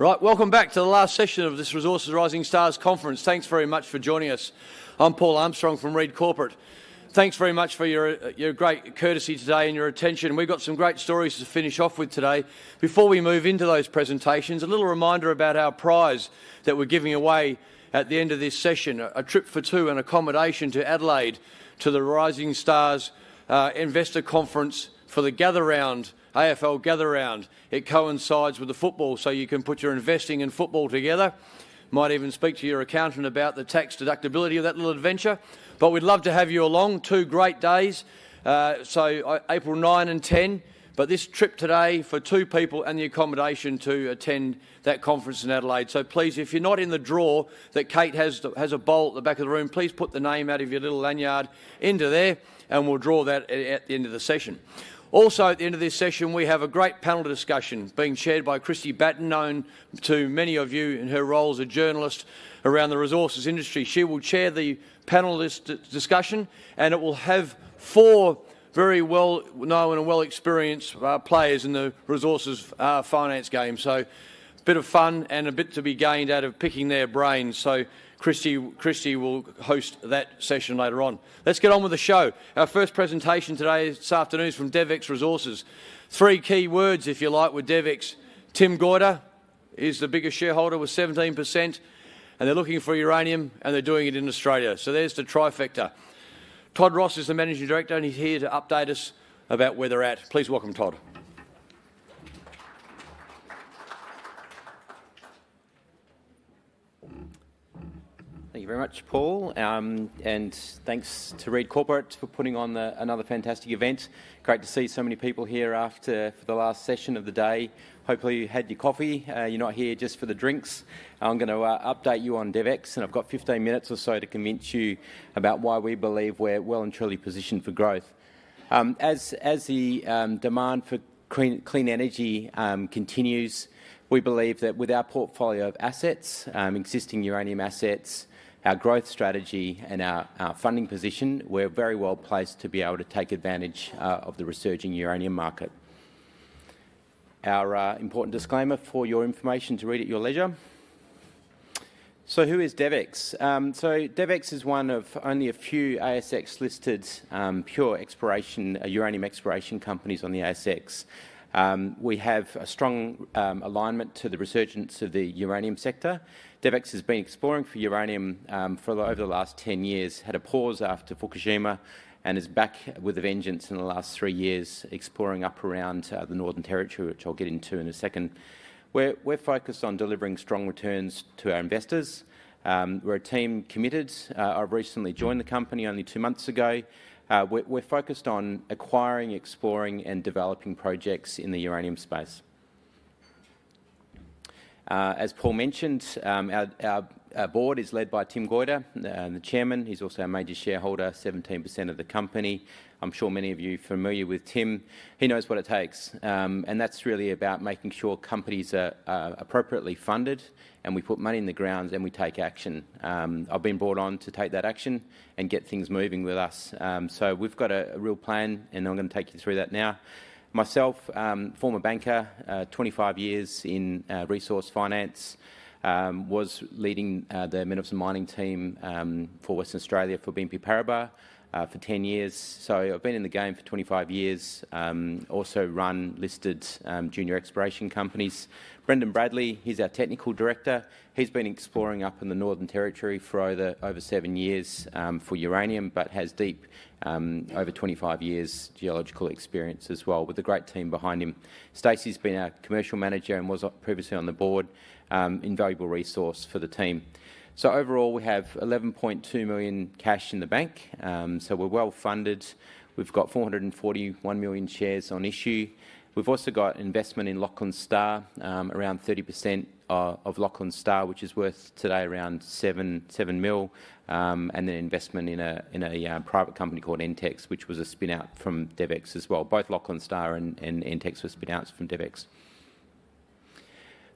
Right, welcome back to the last session of this Resources Rising Stars Conference. Thanks very much for joining us. I'm Paul Armstrong from Reed Corporate. Thanks very much for your great courtesy today and your attention. We've got some great stories to finish off with today. Before we move into those presentations, a little reminder about our prize that we're giving away at the end of this session: a trip for two and accommodation to Adelaide, to the Rising Stars Investor Conference for the Gather Round, AFL Gather Round. It coincides with the football, so you can put your investing in football together. Might even speak to your accountant about the tax deductibility of that little adventure. But we'd love to have you along. Two great days, so April 9 and 10. But this trip today for two people and the accommodation to attend that conference in Adelaide. So please, if you're not in the draw that Kate has a bowl at the back of the room, please put the name out of your little lanyard into there, and we'll draw that at the end of the session. Also, at the end of this session, we have a great panel discussion being chaired by Kristie Batten, known to many of you in her role as a journalist around the resources industry. She will chair the panel discussion, and it will have four very well-known and well-experienced players in the resources finance game. So a bit of fun and a bit to be gained out of picking their brains. So Kristie will host that session later on. Let's get on with the show. Our first presentation today this afternoon is from DevEx Resources. Three key words, if you like, with DevEx. Tim Goyder is the biggest shareholder with 17%, and they're looking for uranium, and they're doing it in Australia. So there's the trifecta. Todd Ross is the Managing Director, and he's here to update us about where they're at. Please welcome Todd. Thank you very much, Paul, and thanks to Reed Corporate for putting on another fantastic event. Great to see so many people here after the last session of the day. Hopefully, you had your coffee. You're not here just for the drinks. I'm going to update you on DevEx, and I've got 15 minutes or so to convince you about why we believe we're well and truly positioned for growth. As the demand for clean energy continues, we believe that with our portfolio of assets, existing uranium assets, our growth strategy, and our funding position, we're very well placed to be able to take advantage of the resurging uranium market. Our important disclaimer for your information to read at your leisure. Who is DevEx? DevEx is one of only a few ASX-listed pure uranium exploration companies on the ASX. We have a strong alignment to the resurgence of the uranium sector. DevEx has been exploring for uranium for over the last 10 years, had a pause after Fukushima, and is back with a vengeance in the last three years, exploring up around the Northern Territory, which I'll get into in a second. We're focused on delivering strong returns to our investors. We're a team committed. I recently joined the company only two months ago. We're focused on acquiring, exploring, and developing projects in the uranium space. As Paul mentioned, our board is led by Tim Goyder, the chairman. He's also a major shareholder, 17% of the company. I'm sure many of you are familiar with Tim. He knows what it takes, and that's really about making sure companies are appropriately funded, and we put money in the ground, and we take action. I've been brought on to take that action and get things moving with us, so we've got a real plan, and I'm going to take you through that now. Myself, former banker, 25 years in resource finance, was leading the Minerals and Mining Team for Western Australia for BNP Paribas for 10 years, so I've been in the game for 25 years. Also run listed junior exploration companies. Brendan Bradley, he's our technical director. He's been exploring up in the Northern Territory for over seven years for uranium, but has deep over 25 years geological experience as well with a great team behind him. Stacy's been our commercial manager and was previously on the board, invaluable resource for the team, so overall, we have 11.2 million cash in the bank. So we're well funded. We've got 441 million shares on issue. We've also got investment in Lachlan Star, around 30% of Lachlan Star, which is worth today around 7 million, and then investment in a private company called EntX, which was a spin-out from DevEx as well. Both Lachlan Star and EntX were spin-outs from DevEx.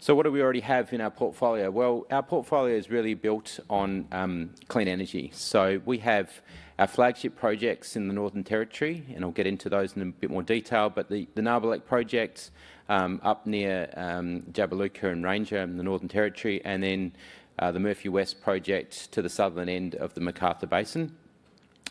So what do we already have in our portfolio? Well, our portfolio is really built on clean energy. So we have our flagship projects in the Northern Territory, and I'll get into those in a bit more detail, but the Nabarlek project up near Jabiluka and Ranger, the Northern Territory, and then the Murphy West project to the southern end of the McArthur Basin.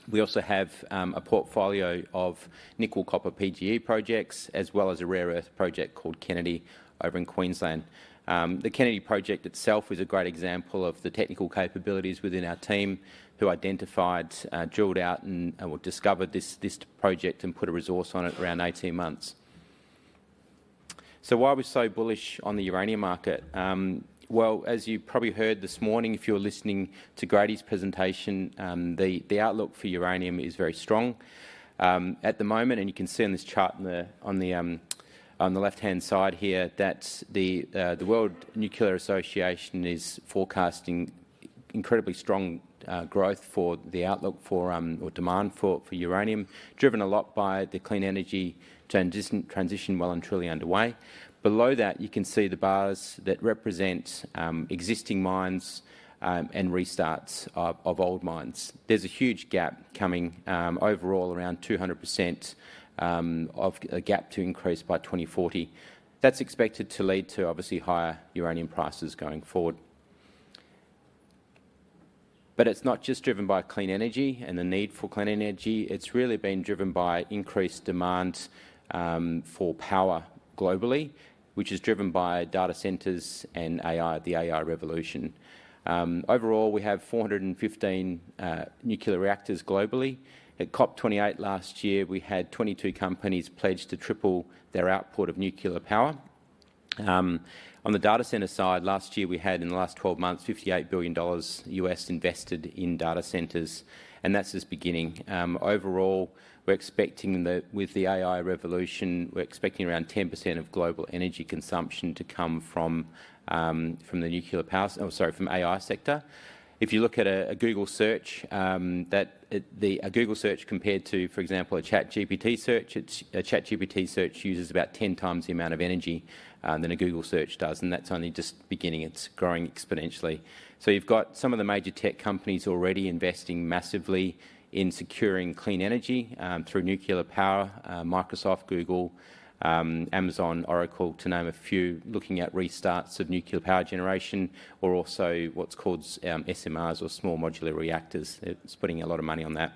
We also have a portfolio of nickel-copper PGE projects, as well as a rare earth project called Kennedy over in Queensland. The Kennedy project itself is a great example of the technical capabilities within our team who identified, drilled out, and discovered this project and put a resource on it around 18 months. So why are we so bullish on the uranium market? Well, as you probably heard this morning, if you were listening to Grady's presentation, the outlook for uranium is very strong at the moment, and you can see on this chart on the left-hand side here that the World Nuclear Association is forecasting incredibly strong growth for the outlook for our demand for uranium, driven a lot by the clean energy transition well and truly underway. Below that, you can see the bars that represent existing mines and restarts of old mines. There's a huge gap coming overall, around 200% of a gap to increase by 2040. That's expected to lead to, obviously, higher uranium prices going forward. But it's not just driven by clean energy and the need for clean energy. It's really been driven by increased demand for power globally, which is driven by data centers and the AI revolution. Overall, we have 415 nuclear reactors globally. At COP28 last year, we had 22 companies pledge to triple their output of nuclear power. On the data center side, last year we had, in the last 12 months, $58 billion invested in data centers, and that's just beginning. Overall, we're expecting that with the AI revolution, we're expecting around 10% of global energy consumption to come from the nuclear power, sorry, from AI sector. If you look at a Google search, a Google search compared to, for example, a ChatGPT search, a ChatGPT search uses about 10 times the amount of energy than a Google search does, and that's only just beginning. It's growing exponentially. You've got some of the major tech companies already investing massively in securing clean energy through nuclear power: Microsoft, Google, Amazon, Oracle, to name a few, looking at restarts of nuclear power generation, or also what's called SMRs or small modular reactors. They're putting a lot of money on that.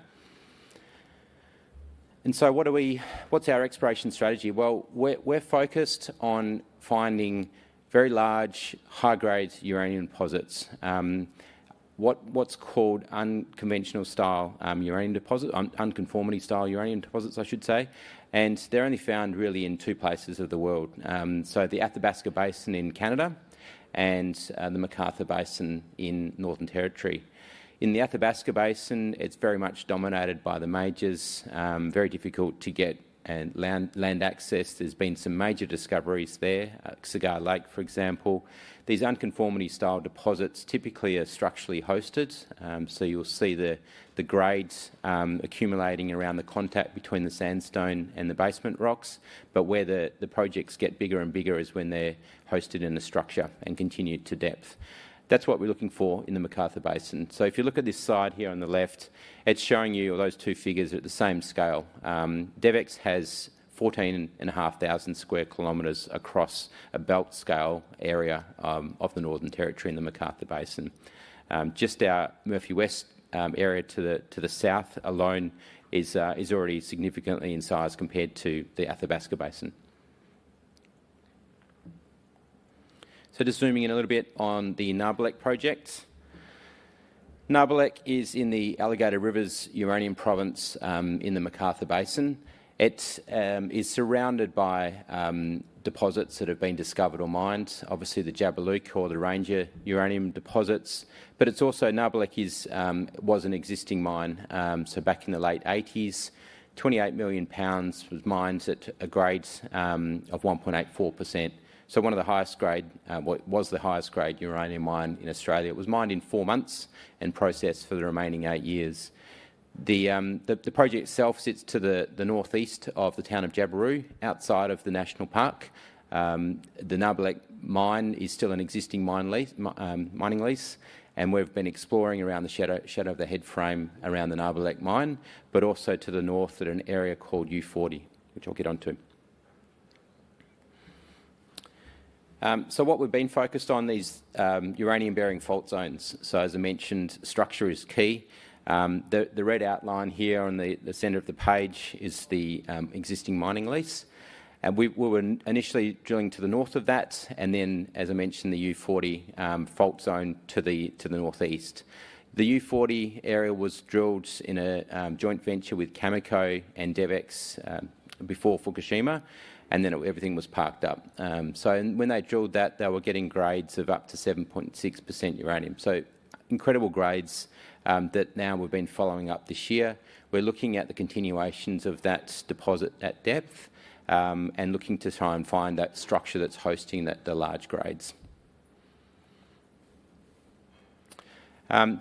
What's our exploration strategy? Well, we're focused on finding very large, high-grade uranium deposits, what's called unconformity-style uranium deposits, I should say, and they're only found really in two places of the world. The Athabasca Basin in Canada and the McArthur Basin in Northern Territory. In the Athabasca Basin, it's very much dominated by the majors. Very difficult to get land access. There's been some major discoveries there, Cigar Lake, for example. These unconformity-style deposits typically are structurally hosted, so you'll see the grades accumulating around the contact between the sandstone and the basement rocks, but where the projects get bigger and bigger is when they're hosted in the structure and continued to depth. That's what we're looking for in the McArthur Basin. So if you look at this side here on the left, it's showing you those two figures at the same scale. DevEx has 14,500 sq km across a belt-scale area of the Northern Territory in the McArthur Basin. Just our Murphy West area to the south alone is already significantly in size compared to the Athabasca Basin. So just zooming in a little bit on the Nabarlek project. Nabarlek is in the Alligator Rivers Uranium Province, in the McArthur Basin. It is surrounded by deposits that have been discovered or mined, obviously the Jabiluka or the Ranger uranium deposits, but Nabarlek was an existing mine. Back in the late 1980s, AUD 28 million was mined at a grade of 1.84%. One of the highest-grade, what was the highest-grade uranium mine in Australia. It was mined in four months and processed for the remaining eight years. The project itself sits to the northeast of the town of Jabiru, outside of the National Park. The Nabarlek mine is still an existing mining lease, and we've been exploring around the shadow of the head frame around the Nabarlek mine, but also to the north at an area called U40, which I'll get on to. What we've been focused on are these uranium-bearing fault zones. As I mentioned, structure is key. The red outline here on the center of the page is the existing mining lease, and we were initially drilling to the north of that, and then, as I mentioned, the U40 fault zone to the northeast. The U40 area was drilled in a joint venture with Cameco and DevEx before Fukushima, and then everything was parked up, so when they drilled that, they were getting grades of up to 7.6% uranium, so incredible grades that now we've been following up this year. We're looking at the continuations of that deposit at depth and looking to try and find that structure that's hosting the large grades,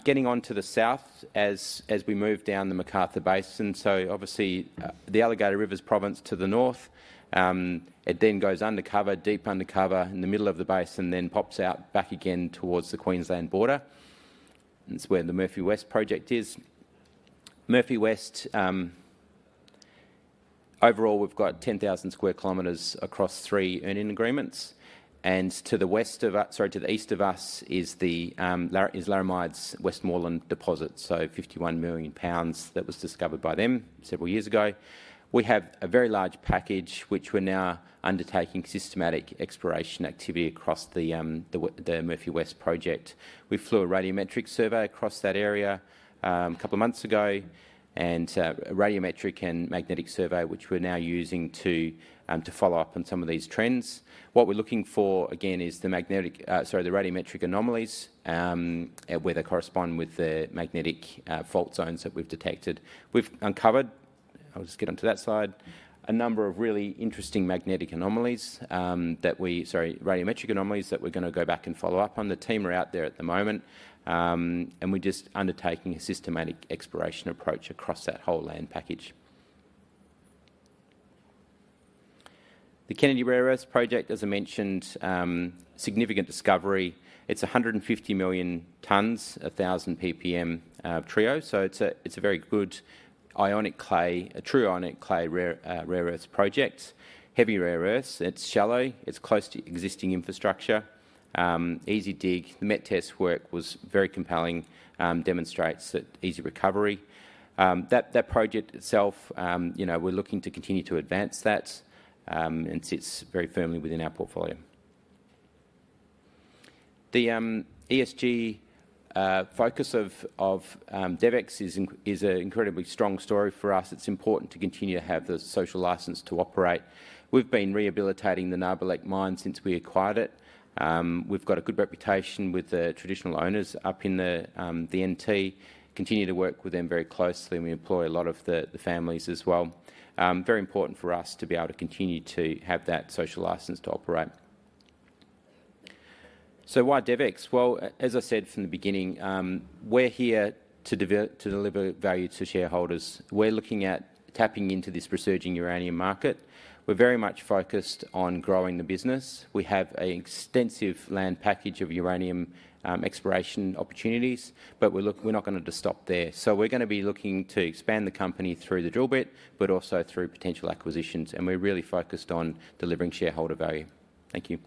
getting on to the south as we move down the McArthur Basin, so obviously, the Alligator Rivers Province to the north, it then goes undercover, deep undercover in the middle of the basin, then pops out back again towards the Queensland border. That's where the Murphy West project is. Murphy West, overall, we've got 10,000 square kilometers across three earning agreements. And to the west of us, sorry, to the east of us is Laramide's Westmoreland deposits, so AUD 51 million that was discovered by them several years ago. We have a very large package, which we're now undertaking systematic exploration activity across the Murphy West project. We flew a radiometric survey across that area a couple of months ago and a radiometric and magnetic survey, which we're now using to follow up on some of these trends. What we're looking for, again, is the radiometric anomalies where they correspond with the magnetic fault zones that we've detected. We've uncovered, I'll just get on to that side, a number of really interesting magnetic anomalies that we—sorry, radiometric anomalies that we're going to go back and follow up on. The team are out there at the moment, and we're just undertaking a systematic exploration approach across that whole land package. The Kennedy Rare Earths Project, as I mentioned, significant discovery. It's 150 million tonnes, 1,000 ppm TREO. So it's a very good ionic clay, a true ionic clay rare earth project. Heavy rare earths. It's shallow. It's close to existing infrastructure. Easy dig. The MET test work was very compelling, demonstrates that easy recovery. That project itself, we're looking to continue to advance that, and it sits very firmly within our portfolio. The ESG focus of DevEx is an incredibly strong story for us. It's important to continue to have the social license to operate. We've been rehabilitating the Nabarlek mine since we acquired it. We've got a good reputation with the traditional owners up in the NT. Continue to work with them very closely. We employ a lot of the families as well. Very important for us to be able to continue to have that social license to operate. So why DevEx? Well, as I said from the beginning, we're here to deliver value to shareholders. We're looking at tapping into this resurging uranium market. We're very much focused on growing the business. We have an extensive land package of uranium exploration opportunities, but we're not going to stop there. So we're going to be looking to expand the company through the drill bit, but also through potential acquisitions. And we're really focused on delivering shareholder value. Thank you.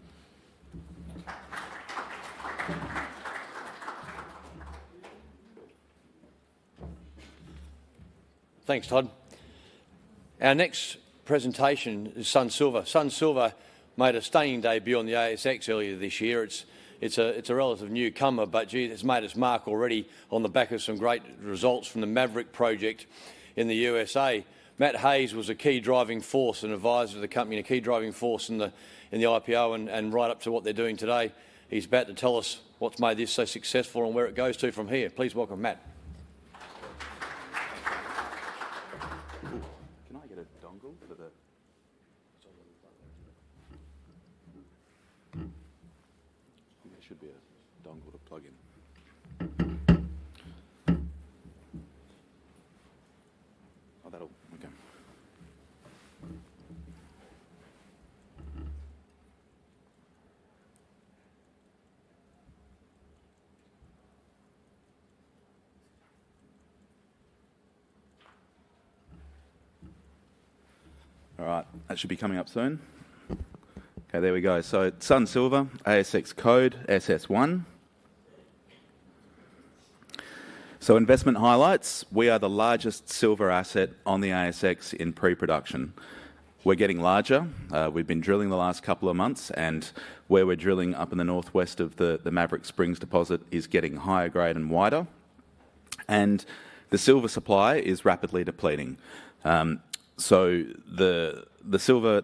Thanks, Todd. Our next presentation is Sun Silver. Sun Silver made a stunning debut on the ASX earlier this year. It's a relative newcomer, but it's made its mark already on the back of some great results from the Maverick project in the U.S.A.. Matt Hayes was a key driving force and advisor to the company, and a key driving force in the IPO and right up to what they're doing today. He's about to tell us what's made this so successful and where it goes to from here. Please welcome Matt. Can I get a dongle? Sorry, I'm stuck there. There should be a dongle to plug in. Oh, okay. All right. That should be coming up soon. Okay, there we go. So Sun Silver, ASX code SS1. So investment highlights. We are the largest silver asset on the ASX in pre-production. We're getting larger. We've been drilling the last couple of months, and where we're drilling up in the northwest of the Maverick Springs deposit is getting higher grade and wider. And the silver supply is rapidly depleting. The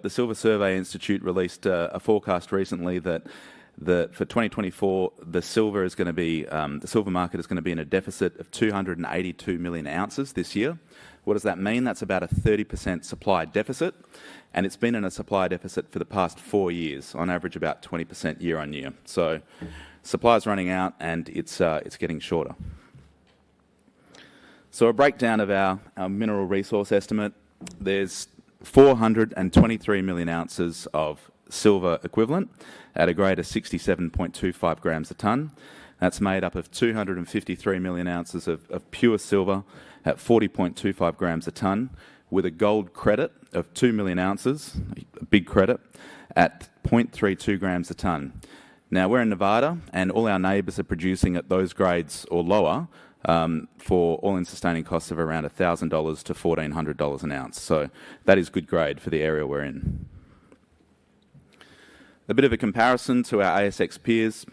Silver Institute released a forecast recently that for 2024, the silver is going to be, the silver market is going to be in a deficit of 282 million ounces this year. What does that mean? That's about a 30% supply deficit. And it's been in a supply deficit for the past four years, on average about 20% year-on-year. So supply is running out, and it's getting shorter. So a breakdown of our mineral resource estimate. There's 423 million ounces of silver equivalent at a grade of 67.25 grams a tonne. That's made up of 253 million ounces of pure silver at 40.25 grams a tonne, with a gold credit of 2 million ounces, a big credit, at 0.32 grams a tonne. Now, we're in Nevada, and all our neighbours are producing at those grades or lower for all-in sustaining costs of around $1,000-$1,400 an ounce. So that is good grade for the area we're in. A bit of a comparison to our ASX peers,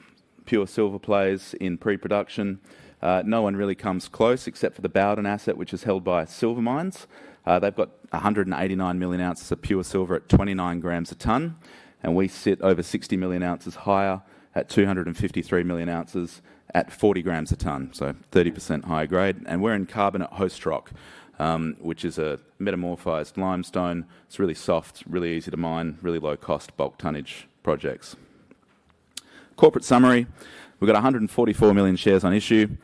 pure silver plays in pre-production. No one really comes close except for the Bowdens asset, which is held by Silver Mines. They've got 189 million ounces of pure silver at 29 grams a tonne, and we sit over 60 million ounces higher at 253 million ounces at 40 grams a tonne. So 30% higher grade. And we're in carbonate host rock, which is a metamorphosed limestone. It's really soft, really easy to mine, really low-cost bulk tonnage projects. Corporate summary. We've got 144 million shares on issue.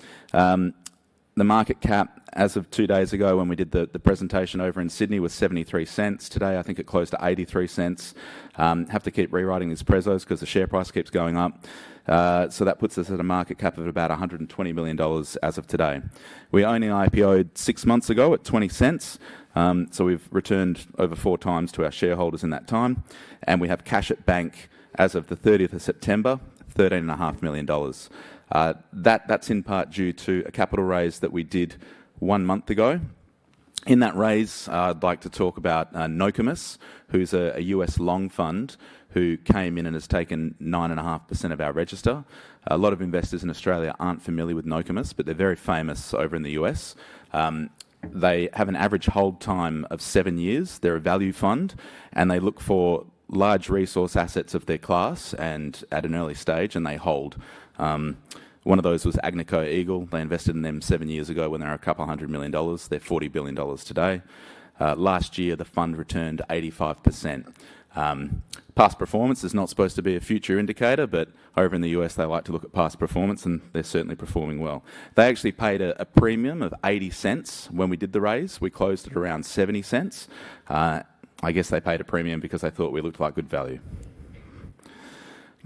The market cap, as of two days ago when we did the presentation over in Sydney, was 73 cents. Today, I think it closed at 83 cents. Have to keep rewriting these prezos because the share price keeps going up. So that puts us at a market cap of about 120 million dollars as of today. We only IPO'd six months ago at 20 cents. So we've returned over four times to our shareholders in that time. And we have cash at bank as of the 30th of September, 13.5 million dollars. That's in part due to a capital raise that we did one month ago. In that raise, I'd like to talk about Nokomis, who's a U.S. long fund who came in and has taken 9.5% of our register. A lot of investors in Australia aren't familiar with Nokomis, but they're very famous over in the U.S. They have an average hold time of seven years. They're a value fund, and they look for large resource assets of their class and at an early stage, and they hold. One of those was Agnico Eagle. They invested in them seven years ago when they were a couple hundred million dollars. They're $40 billion today. Last year, the fund returned 85%. Past performance is not supposed to be a future indicator, but over in the U.S., they like to look at past performance, and they're certainly performing well. They actually paid a premium of 0.80 when we did the raise. We closed at around 0.70. I guess they paid a premium because they thought we looked like good value.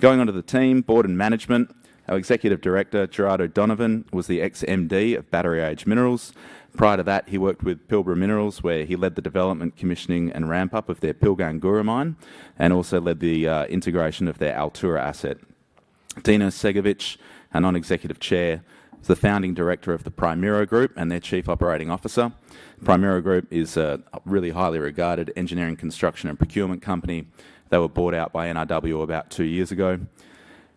Going on to the team, board and management. Our Executive Director, Gerard O'Donovan, was the ex-MD of Battery Age Minerals. Prior to that, he worked with Pilbara Minerals, where he led the development, commissioning, and ramp-up of their Pilgangoora mine and also led the integration of their Altura asset. Dean Ercegovic, our Non-Executive Chair, is the founding director of the Primero Group and their chief operating officer. Primero Group is a really highly regarded engineering, construction, and procurement company. They were bought out by NRW about two years ago.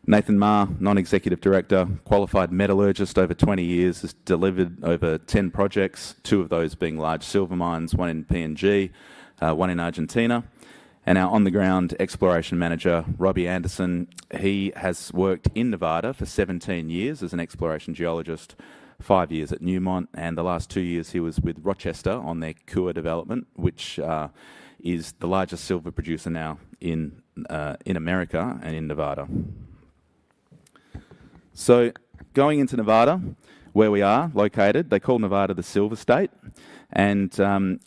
Nathan Ma, Non-Executive Director, qualified metallurgist over 20 years, has delivered over 10 projects, two of those being large silver mines, one in PNG, one in Argentina. Our on-the-ground exploration manager, Robbie Anderson, he has worked in Nevada for 17 years as an exploration geologist, five years at Newmont, and the last two years he was with Rochester on their KUA development, which is the largest silver producer now in America and in Nevada. Going into Nevada, where we are located, they call Nevada the Silver State. And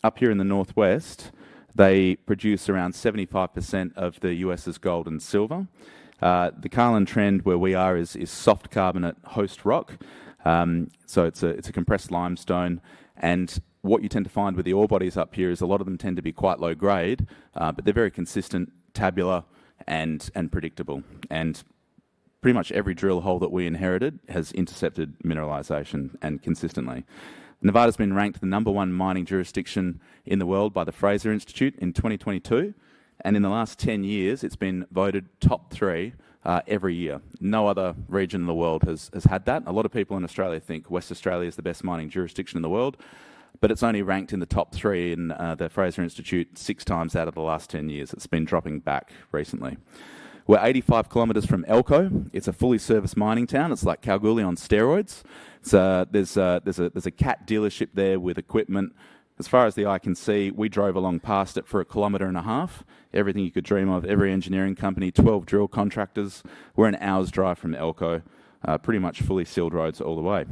up here in the northwest, they produce around 75% of the U.S.'s gold and silver. The Carlin Trend where we are is soft carbonate host rock. So it's a compressed limestone. And what you tend to find with the ore bodies up here is a lot of them tend to be quite low grade, but they're very consistent, tabular, and predictable. And pretty much every drill hole that we inherited has intercepted mineralization consistently. Nevada's been ranked the number one mining jurisdiction in the world by the Fraser Institute in 2022. And in the last 10 years, it's been voted top three every year. No other region in the world has had that. A lot of people in Australia think Western Australia is the best mining jurisdiction in the world, but it's only ranked in the top three in the Fraser Institute six times out of the last 10 years. It's been dropping back recently. We're 85 kilometers from Elko. It's a fully-serviced mining town. It's like Calgary on steroids. There's a Cat dealership there with equipment. As far as the eye can see, we drove along past it for a kilometer and a half. Everything you could dream of, every engineering company, 12 drill contractors. We're an hour's drive from Elko, pretty much fully sealed roads all the way.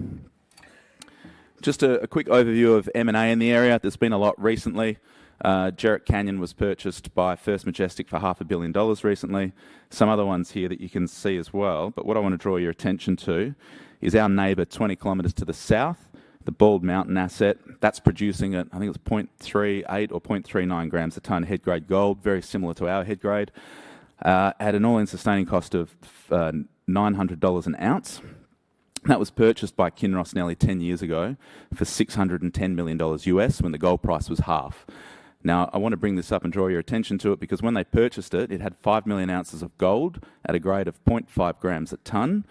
Just a quick overview of M&A in the area. There's been a lot recently. Jerritt Canyon was purchased by First Majestic for $500 million recently. Some other ones here that you can see as well. But what I want to draw your attention to is our neighbour 20 kilometres to the south, the Bald Mountain asset. That's producing at, I think it's 0.38 or 0.39 grams a tonne, head grade gold, very similar to our head grade, at an all-in sustaining cost of $900 an ounce. That was purchased by Kinross nearly 10 years ago for $610 million USD when the gold price was half. Now, I want to bring this up and draw your attention to it because when they purchased it, it had 5 million ounces of gold at a grade of 0.5 grams a tonne.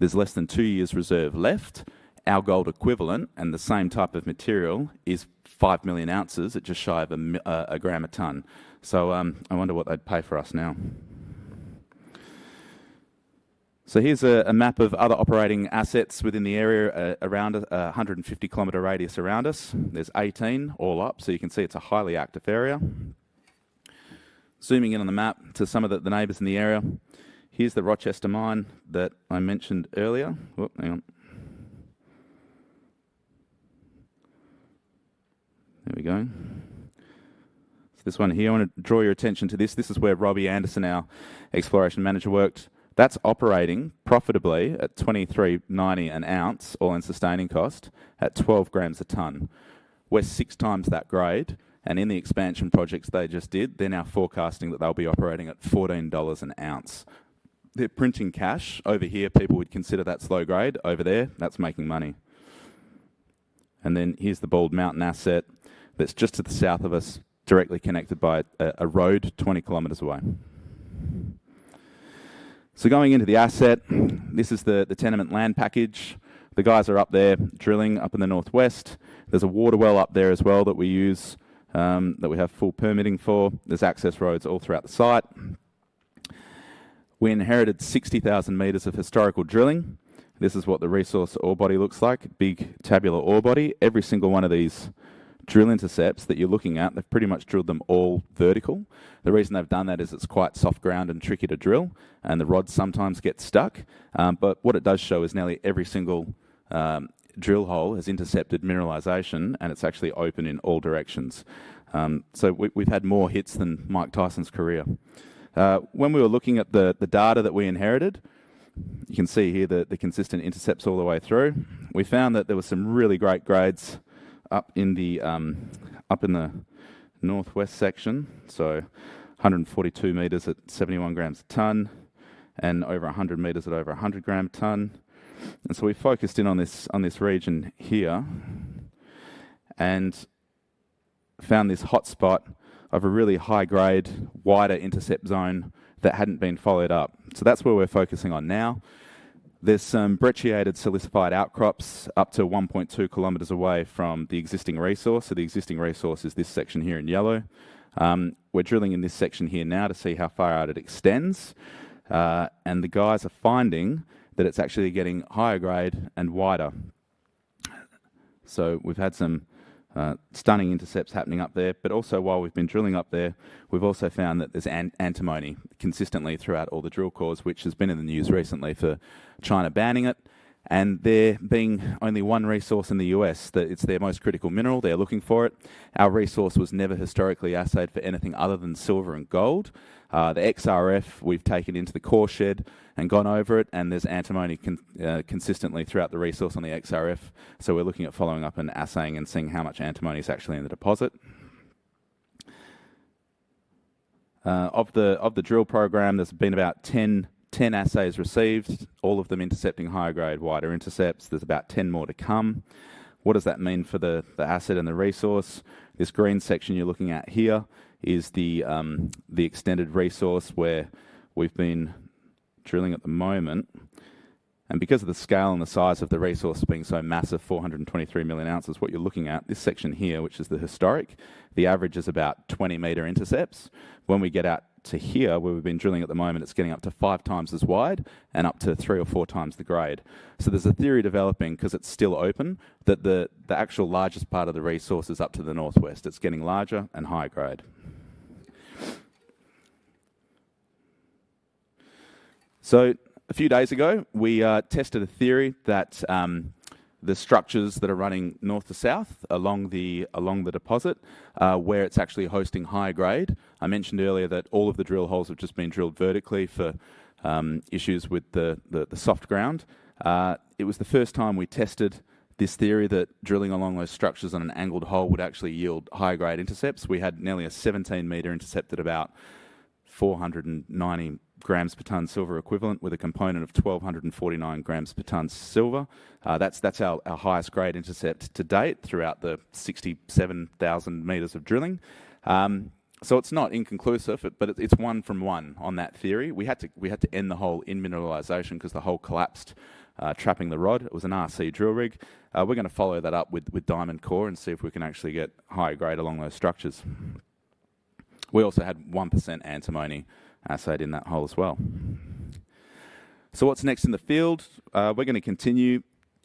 There's less than two years' reserve left. Our gold equivalent and the same type of material is 5 million ounces. It's just shy of a gram a tonne. So I wonder what they'd pay for us now. Here's a map of other operating assets within the area around a 150-kilometer radius around us. There's 18 all up. You can see it's a highly active area. Zooming in on the map to some of the neighbors in the area. Here's the Rochester mine that I mentioned earlier. There we go. This one here, I want to draw your attention to this. This is where Robbie Anderson, our exploration manager, worked. That's operating profitably at $23.90 an ounce, all-in sustaining cost, at 12 grams a tonne. We're six times that grade. In the expansion projects they just did, they're now forecasting that they'll be operating at $14 an ounce. They're printing cash. Over here, people would consider that slow grade. Over there, that's making money. And then here's the Bald Mountain asset that's just to the south of us, directly connected by a road 20 kilometers away. So going into the asset, this is the tenement land package. The guys are up there drilling up in the northwest. There's a water well up there as well that we use that we have full permitting for. There's access roads all throughout the site. We inherited 60,000 meters of historical drilling. This is what the resource ore body looks like. Big tabular ore body. Every single one of these drill intercepts that you're looking at, they've pretty much drilled them all vertical. The reason they've done that is it's quite soft ground and tricky to drill, and the rods sometimes get stuck. But what it does show is nearly every single drill hole has intercepted mineralization, and it's actually open in all directions. We've had more hits than Mike Tyson's career. When we were looking at the data that we inherited, you can see here the consistent intercepts all the way through. We found that there were some really great grades up in the northwest section. 142 meters at 71 grams a ton and over 100 meters at over 100 grams a ton. We focused in on this region here and found this hotspot of a really high grade, wider intercept zone that hadn't been followed up. That's where we're focusing on now. There's some brecciated silicified outcrops up to 1.2 kilometers away from the existing resource. The existing resource is this section here in yellow. We're drilling in this section here now to see how far out it extends. The guys are finding that it's actually getting higher grade and wider. We've had some stunning intercepts happening up there. But also, while we've been drilling up there, we've also found that there's antimony consistently throughout all the drill cores, which has been in the news recently for China banning it. And there being only one resource in the U.S., it's their most critical mineral. They're looking for it. Our resource was never historically assayed for anything other than silver and gold. The XRF, we've taken into the core shed and gone over it. And there's antimony consistently throughout the resource on the XRF. We're looking at following up and assaying and seeing how much antimony is actually in the deposit. Of the drill program, there's been about 10 assays received, all of them intercepting higher grade, wider intercepts. There's about 10 more to come. What does that mean for the asset and the resource? This green section you're looking at here is the extended resource where we've been drilling at the moment. And because of the scale and the size of the resource being so massive, 423 million ounces, what you're looking at, this section here, which is the historic, the average is about 20 meter intercepts. When we get out to here, where we've been drilling at the moment, it's getting up to five times as wide and up to three or four times the grade. So there's a theory developing, because it's still open, that the actual largest part of the resource is up to the northwest. It's getting larger and higher grade. So a few days ago, we tested a theory that the structures that are running north to south along the deposit, where it's actually hosting high grade. I mentioned earlier that all of the drill holes have just been drilled vertically for issues with the soft ground. It was the first time we tested this theory that drilling along those structures on an angled hole would actually yield high-grade intercepts. We had nearly a 17-meter intercept at about 490 grams per ton silver equivalent with a component of 1,249 grams per ton silver. That's our highest grade intercept to date throughout the 67,000 meters of drilling. So it's not inconclusive, but it's one from one on that theory. We had to end the hole in mineralization because the hole collapsed, trapping the rod. It was an RC drill rig. We're going to follow that up with diamond core and see if we can actually get higher grade along those structures. We also had 1% antimony assayed in that hole as well. So what's next in the field? We're going to continue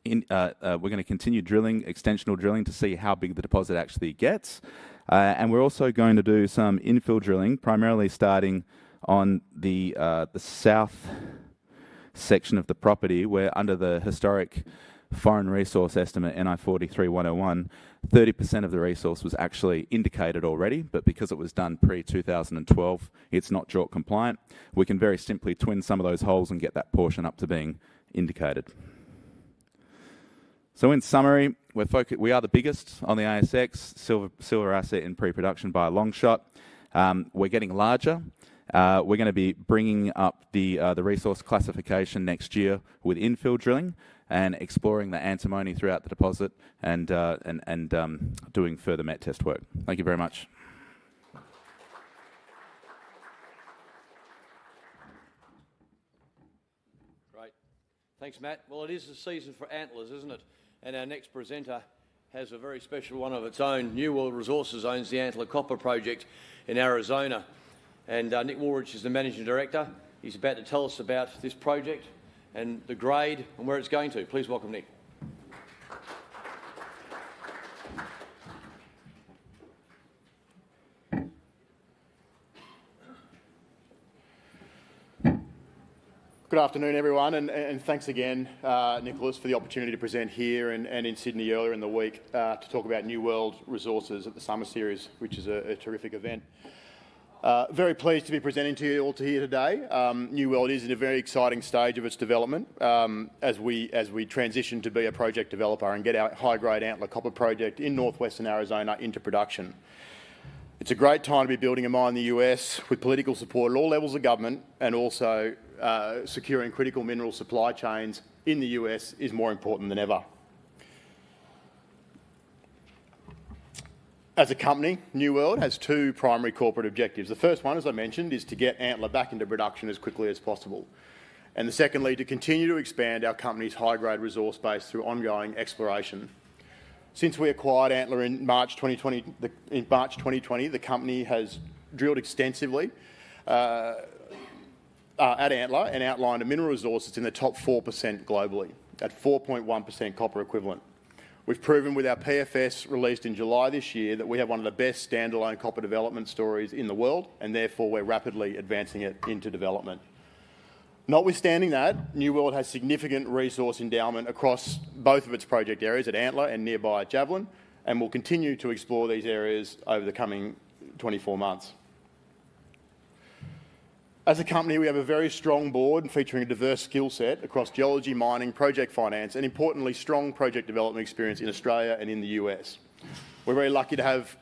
drilling, extensional drilling, to see how big the deposit actually gets. And we're also going to do some infill drilling, primarily starting on the south section of the property where, under the historic foreign resource estimate, NI 43-101, 30% of the resource was actually indicated already. But because it was done pre-2012, it's not JORC compliant. We can very simply twin some of those holes and get that portion up to being indicated. So in summary, we are the biggest on the ASX, silver asset in pre-production by a long shot. We're getting larger. We're going to be bringing up the resource classification next year with infill drilling and exploring the antimony throughout the deposit and doing further met test work. Thank you very much. Right. Thanks, Matt. Well, it is the season for antlers, isn't it? Our next presenter has a very special one of its own. New World Resources owns the Antler Copper Project in Arizona. Nick Wariner is the managing director. He's about to tell us about this project and the grade and where it's going to. Please welcome Nick. Good afternoon, everyone, and thanks again, Nick, for the opportunity to present here and in Sydney earlier in the week to talk about New World Resources at the Summer Series, which is a terrific event. Very pleased to be presenting to you all here today. New World is in a very exciting stage of its development as we transition to be a project developer and get our high-grade Antler Copper Project in northwestern Arizona into production. It's a great time to be building a mine in the U.S. with political support at all levels of government, and also securing critical mineral supply chains in the U.S. is more important than ever. As a company, New World has two primary corporate objectives. The first one, as I mentioned, is to get Antler back into production as quickly as possible. And the second, to continue to expand our company's high-grade resource base through ongoing exploration. Since we acquired Antler in March 2020, the company has drilled extensively at Antler and outlined a mineral resource that's in the top 4% globally, at 4.1% copper equivalent. We've proven with our PFS released in July this year that we have one of the best standalone copper development stories in the world, and therefore we're rapidly advancing it into development. Notwithstanding that, New World has significant resource endowment across both of its project areas at Antler and nearby Javelin, and will continue to explore these areas over the coming 24 months. As a company, we have a very strong board featuring a diverse skill set across geology, mining, project finance, and importantly, strong project development experience in Australia and in the U.S.. We're very lucky to have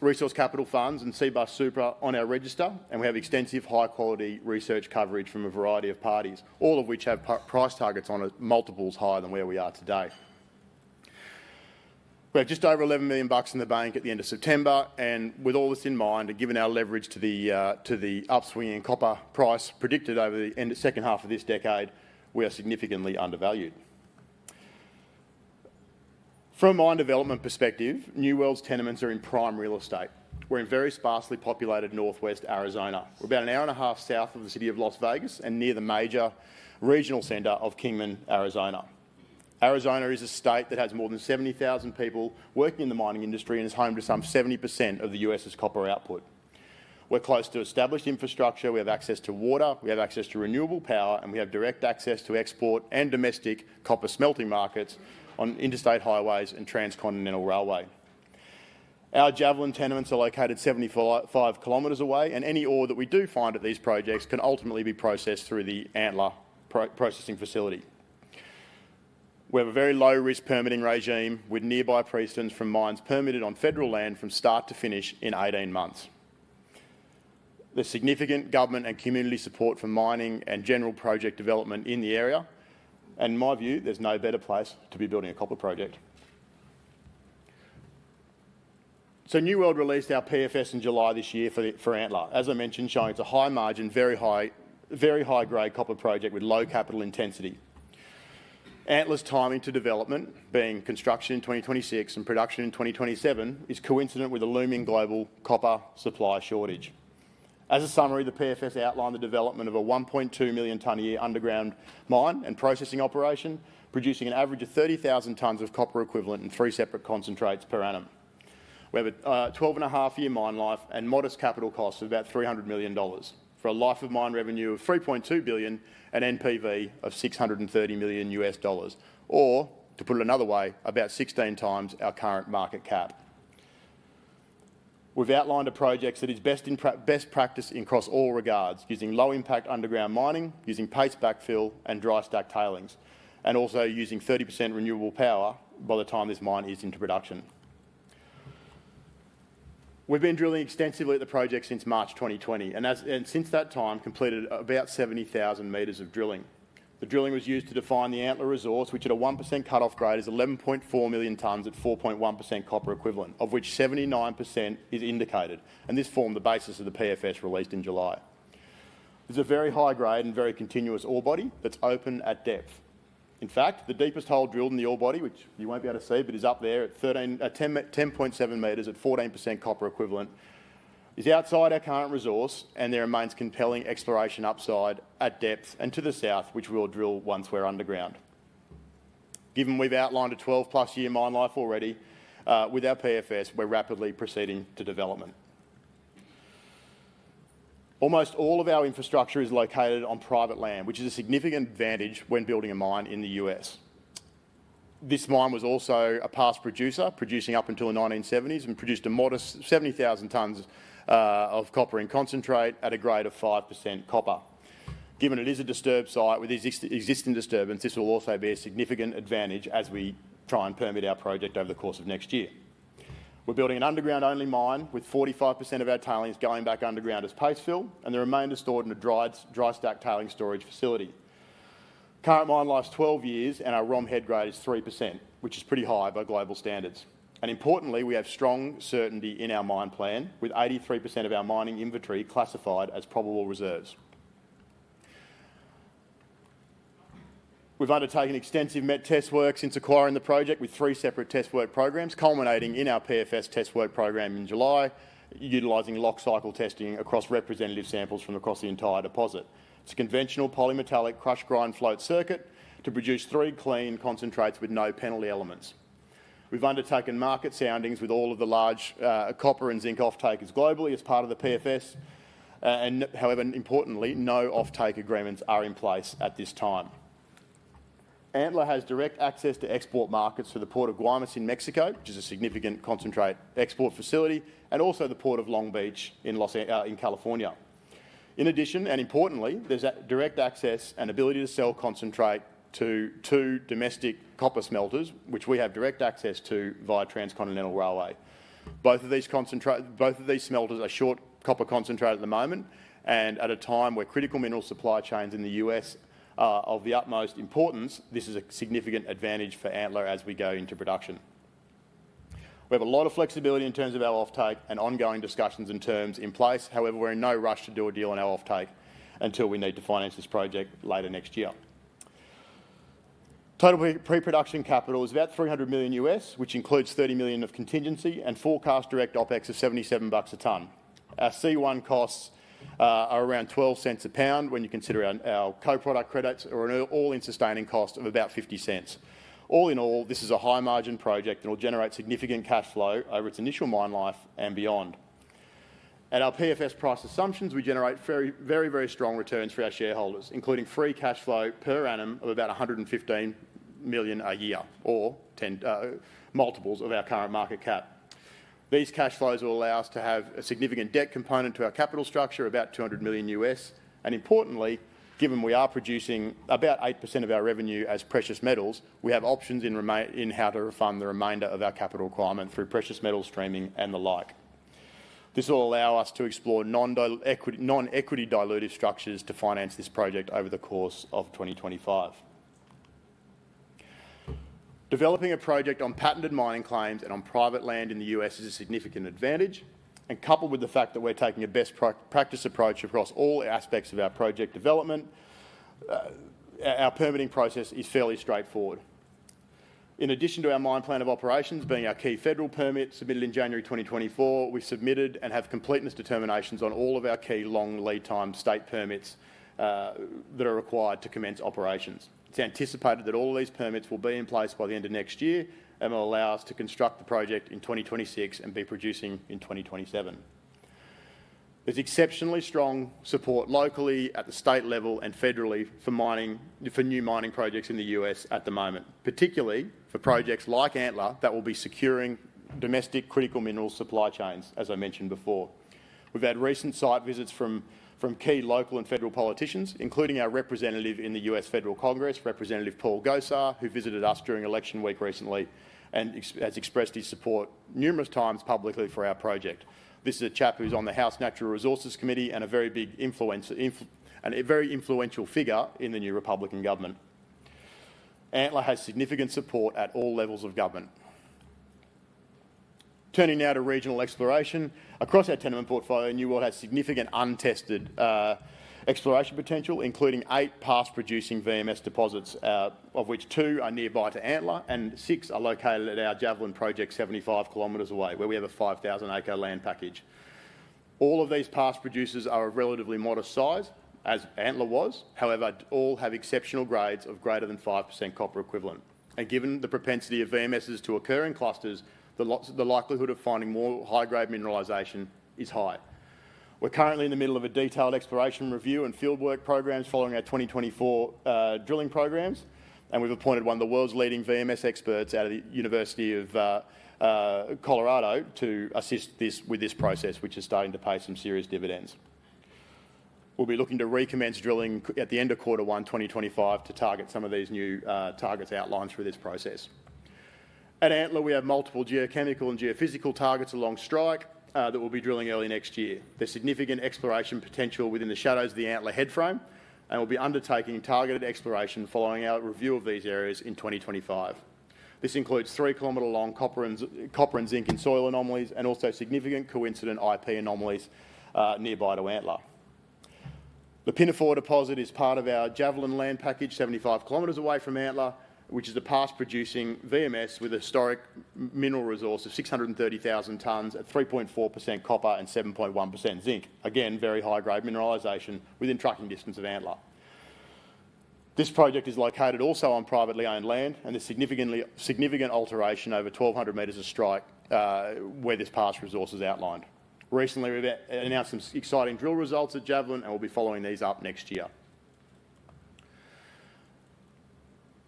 Resource Capital Funds and Cbus Super on our register, and we have extensive high-quality research coverage from a variety of parties, all of which have price targets on multiples higher than where we are today. We have just over 11 million bucks in the bank at the end of September. And with all this in mind, and given our leverage to the upswing in copper price predicted over the second half of this decade, we are significantly undervalued. From a mine development perspective, New World's tenements are in prime real estate. We're in very sparsely populated northwest Arizona. We're about an hour and a half south of the city of Las Vegas and near the major regional center of Kingman, Arizona. Arizona is a state that has more than 70,000 people working in the mining industry and is home to some 70% of the U.S.'s copper output. We're close to established infrastructure. We have access to water. We have access to renewable power, and we have direct access to export and domestic copper smelting markets on interstate highways and transcontinental railway. Our Javelin tenements are located 75 kilometers away, and any ore that we do find at these projects can ultimately be processed through the Antler processing facility. We have a very low-risk permitting regime with nearby precedent from mines permitted on federal land from start to finish in 18 months. There's significant government and community support for mining and general project development in the area, and in my view, there's no better place to be building a copper project. New World released our PFS in July this year for Antler, as I mentioned, showing it's a high-margin, very high-grade copper project with low capital intensity. Antler's timing to development, being construction in 2026 and production in 2027, is coincident with a looming global copper supply shortage. As a summary, the PFS outlined the development of a 1.2 million-tonne-a-year underground mine and processing operation, producing an average of 30,000 tonnes of copper equivalent in three separate concentrates per annum. We have a 12.5-year mine life and modest capital costs of about $300 million for a life of mine revenue of $3.2 billion and NPV of $630 million U.S. dollars, or, to put it another way, about 16 times our current market cap. We've outlined a project that is best practice across all regards, using low-impact underground mining, using paste backfill and dry stack tailings, and also using 30% renewable power by the time this mine is into production. We've been drilling extensively at the project since March 2020 and since that time completed about 70,000 meters of drilling. The drilling was used to define the Antler resource, which at a 1% cutoff grade is 11.4 million tonnes at 4.1% copper equivalent, of which 79% is indicated. This formed the basis of the PFS released in July. There's a very high-grade and very continuous ore body that's open at depth. In fact, the deepest hole drilled in the ore body, which you won't be able to see, but is up there at 10.7 meters at 14% copper equivalent, is outside our current resource, and there remains compelling exploration upside at depth and to the south, which we'll drill once we're underground. Given we've outlined a 12-plus year mine life already, with our PFS, we're rapidly proceeding to development. Almost all of our infrastructure is located on private land, which is a significant advantage when building a mine in the U.S. This mine was also a past producer, producing up until the 1970s and produced a modest 70,000 tons of copper in concentrate at a grade of 5% copper. Given it is a disturbed site with existing disturbance, this will also be a significant advantage as we try and permit our project over the course of next year. We're building an underground-only mine with 45% of our tailings going back underground as paste fill, and the remainder stored in a dry stack tailings storage facility. Current mine life's 12 years and our ROM head grade is 3%, which is pretty high by global standards. Importantly, we have strong certainty in our mine plan with 83% of our mining inventory classified as probable reserves. We've undertaken extensive met test work since acquiring the project with three separate test work programs, culminating in our PFS test work program in July, utilizing locked cycle testing across representative samples from across the entire deposit. It's a conventional polymetallic crush grind float circuit to produce three clean concentrates with no penalty elements. We've undertaken market soundings with all of the large copper and zinc offtakers globally as part of the PFS. However, importantly, no offtake agreements are in place at this time. Antler has direct access to export markets for the Port of Guaymas in Mexico, which is a significant concentrate export facility, and also the Port of Long Beach in California. In addition, and importantly, there's direct access and ability to sell concentrate to two domestic copper smelters, which we have direct access to via transcontinental railway. Both of these smelters are short copper concentrate at the moment. And at a time where critical mineral supply chains in the U.S. are of the utmost importance, this is a significant advantage for Antler as we go into production. We have a lot of flexibility in terms of our offtake and ongoing discussions and terms in place. However, we're in no rush to do a deal on our offtake until we need to finance this project later next year. Total pre-production capital is about $300 million, which includes $30 million of contingency and forecast direct OpEx of $77 a tonne. Our C1 costs are around $0.12 a pound when you consider our co-product credits or an all-in sustaining cost of about $0.50. All in all, this is a high-margin project that will generate significant cash flow over its initial mine life and beyond. At our PFS price assumptions, we generate very, very strong returns for our shareholders, including free cash flow per annum of about $115 million a year, or multiples of our current market cap. These cash flows will allow us to have a significant debt component to our capital structure, about $200 million. Importantly, given we are producing about 8% of our revenue as precious metals, we have options in how to refund the remainder of our capital requirement through precious metal streaming and the like. This will allow us to explore non-equity diluted structures to finance this project over the course of 2025. Developing a project on patented mining claims and on private land in the U.S. is a significant advantage. Coupled with the fact that we're taking a best practice approach across all aspects of our project development, our permitting process is fairly straightforward. In addition to our mine plan of operations being our key federal permit submitted in January 2024, we've submitted and have completeness determinations on all of our key long lead time state permits that are required to commence operations. It's anticipated that all of these permits will be in place by the end of next year and will allow us to construct the project in 2026 and be producing in 2027. There's exceptionally strong support locally at the state level and federally for new mining projects in the U.S. at the moment, particularly for projects like Antler that will be securing domestic critical mineral supply chains, as I mentioned before. We've had recent site visits from key local and federal politicians, including our representative in the U.S. Federal Congress, Representative Paul Gosar, who visited us during election week recently and has expressed his support numerous times publicly for our project. This is a chap who's on the House Natural Resources Committee and a very influential figure in the new Republican government. Antler has significant support at all levels of government. Turning now to regional exploration, across our tenement portfolio, New World has significant untested exploration potential, including eight past-producing VMS deposits, of which two are nearby to Antler and six are located at our Javelin project 75 kilometers away, where we have a 5,000-acre land package. All of these past producers are of relatively modest size, as Antler was. However, all have exceptional grades of greater than 5% copper equivalent, and given the propensity of VMSs to occur in clusters, the likelihood of finding more high-grade mineralization is high. We're currently in the middle of a detailed exploration review and fieldwork programs following our 2024 drilling programs, and we've appointed one of the world's leading VMS experts out of the University of Colorado to assist with this process, which is starting to pay some serious dividends. We'll be looking to recommence drilling at the end of quarter one 2025 to target some of these new targets outlined through this process. At Antler, we have multiple geochemical and geophysical targets along strike that we'll be drilling early next year. There's significant exploration potential within the shadows of the Antler head frame and we'll be undertaking targeted exploration following our review of these areas in 2025. This includes three-kilometer-long copper and zinc in soil anomalies and also significant coincident IP anomalies nearby to Antler. The Pinafore deposit is part of our Javelin land package 75 kilometers away from Antler, which is a past-producing VMS with a historic mineral resource of 630,000 tons at 3.4% copper and 7.1% zinc. Again, very high-grade mineralization within trucking distance of Antler. This project is located also on privately owned land and there's significant alteration over 1,200 meters of strike where this past resource is outlined. Recently, we've announced some exciting drill results at Javelin and we'll be following these up next year.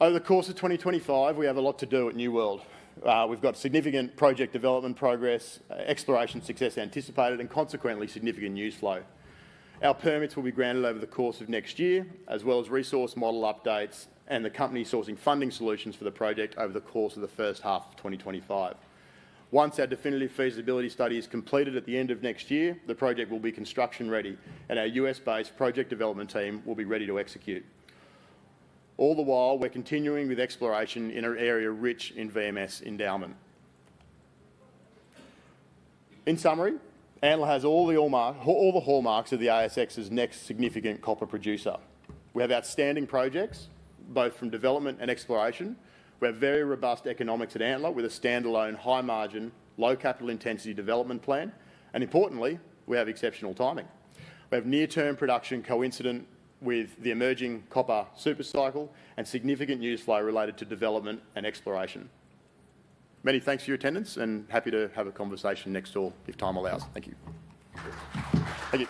Over the course of 2025, we have a lot to do at New World. We've got significant project development progress, exploration success anticipated, and consequently significant news flow. Our permits will be granted over the course of next year, as well as resource model updates and the company sourcing funding solutions for the project over the course of the first half of 2025. Once our definitive feasibility study is completed at the end of next year, the project will be construction ready and our U.S.-based project development team will be ready to execute. All the while, we're continuing with exploration in an area rich in VMS endowment. In summary, Antler has all the hallmarks of the ASX's next significant copper producer. We have outstanding projects, both from development and exploration. We have very robust economics at Antler with a standalone high-margin, low-capital-intensity development plan. And importantly, we have exceptional timing. We have near-term production coincident with the emerging copper supercycle and significant news flow related to development and exploration. Many thanks for your attendance and happy to have a conversation next door if time allows. Thank you. Thank you.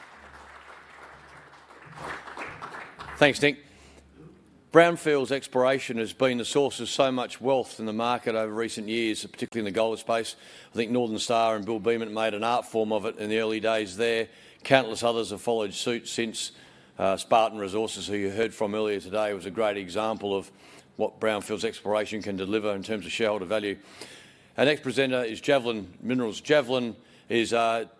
Thanks, Nick. Brownfields Exploration has been the source of so much wealth in the market over recent years, particularly in the gold space. I think Northern Star and Bill Beament made an art form of it in the early days there. Countless others have followed suit since Spartan Resources, who you heard from earlier today, was a great example of what Brownfields Exploration can deliver in terms of shareholder value. Our next presenter is Javelin Minerals. Javelin is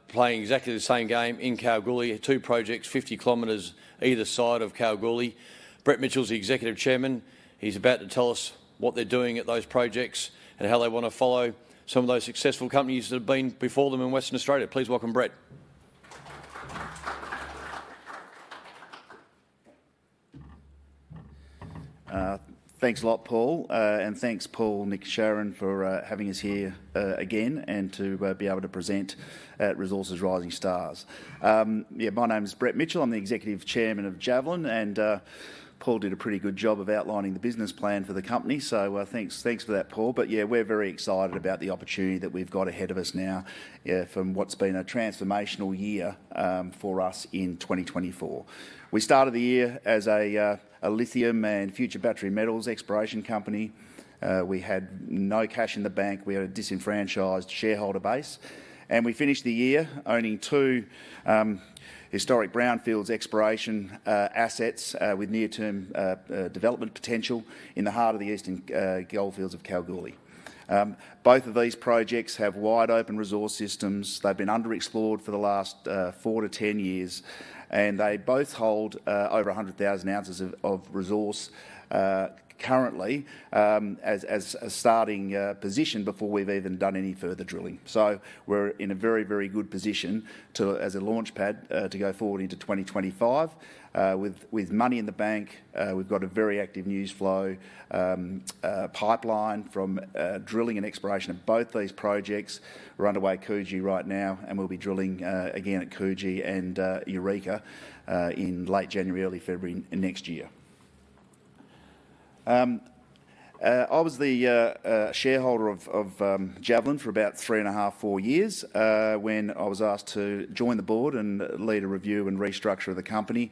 playing exactly the same game in Kalgoorlie, two projects, 50 kilometers either side of Kalgoorlie. Brett Mitchell is the Executive Chairman. He is about to tell us what they are doing at those projects and how they want to follow some of those successful companies that have been before them in Western Australia. Please welcome Brett. Thanks a lot, Paul. And thanks, Paul, Nick, Sharon, for having us here again and to be able to present at Resources Rising Stars. Yeah, my name is Brett Mitchell. I am the Executive Chairman of Javelin. And Paul did a pretty good job of outlining the business plan for the company. So thanks for that, Paul. But yeah, we're very excited about the opportunity that we've got ahead of us now from what's been a transformational year for us in 2024. We started the year as a lithium and future battery metals exploration company. We had no cash in the bank. We had a disenfranchised shareholder base. And we finished the year owning two historic brownfield exploration assets with near-term development potential in the heart of the eastern goldfields of Kalgoorlie. Both of these projects have wide open resource systems. They've been underexplored for the last four to 10 years. And they both hold over 100,000 ounces of resource currently as a starting position before we've even done any further drilling. So we're in a very, very good position as a launchpad to go forward into 2025 with money in the bank. We've got a very active news flow pipeline from drilling and exploration of both these projects. We're underway at Coogee right now and we'll be drilling again at Coogee and Eureka in late January, early February next year. I was the shareholder of Javelin for about three and a half, four years when I was asked to join the board and lead a review and restructure of the company,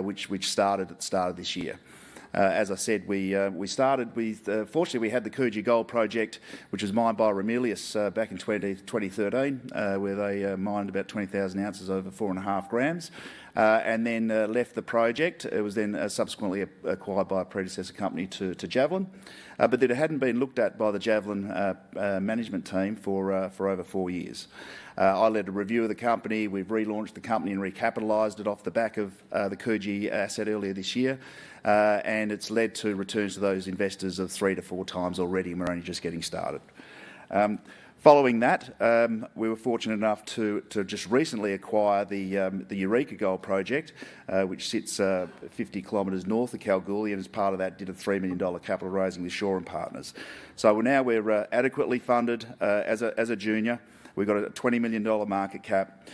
which started at the start of this year. As I said, we started with, fortunately, we had the Coogee Gold project, which was mined by Ramelius back in 2013, where they mined about 20,000 ounces over four and a half grams, and then left the project. It was then subsequently acquired by a predecessor company to Javelin, but it hadn't been looked at by the Javelin management team for over four years. I led a review of the company. We've relaunched the company and recapitalised it off the back of the Coogee asset earlier this year. And it's led to returns to those investors of three to four times already, and we're only just getting started. Following that, we were fortunate enough to just recently acquire the Eureka Gold project, which sits 50 kilometers north of Kalgoorlie and is part of that additional 3 million dollar capital raising with Shaw and Partners. So now we're adequately funded as a junior. We've got a 20 million dollar market cap.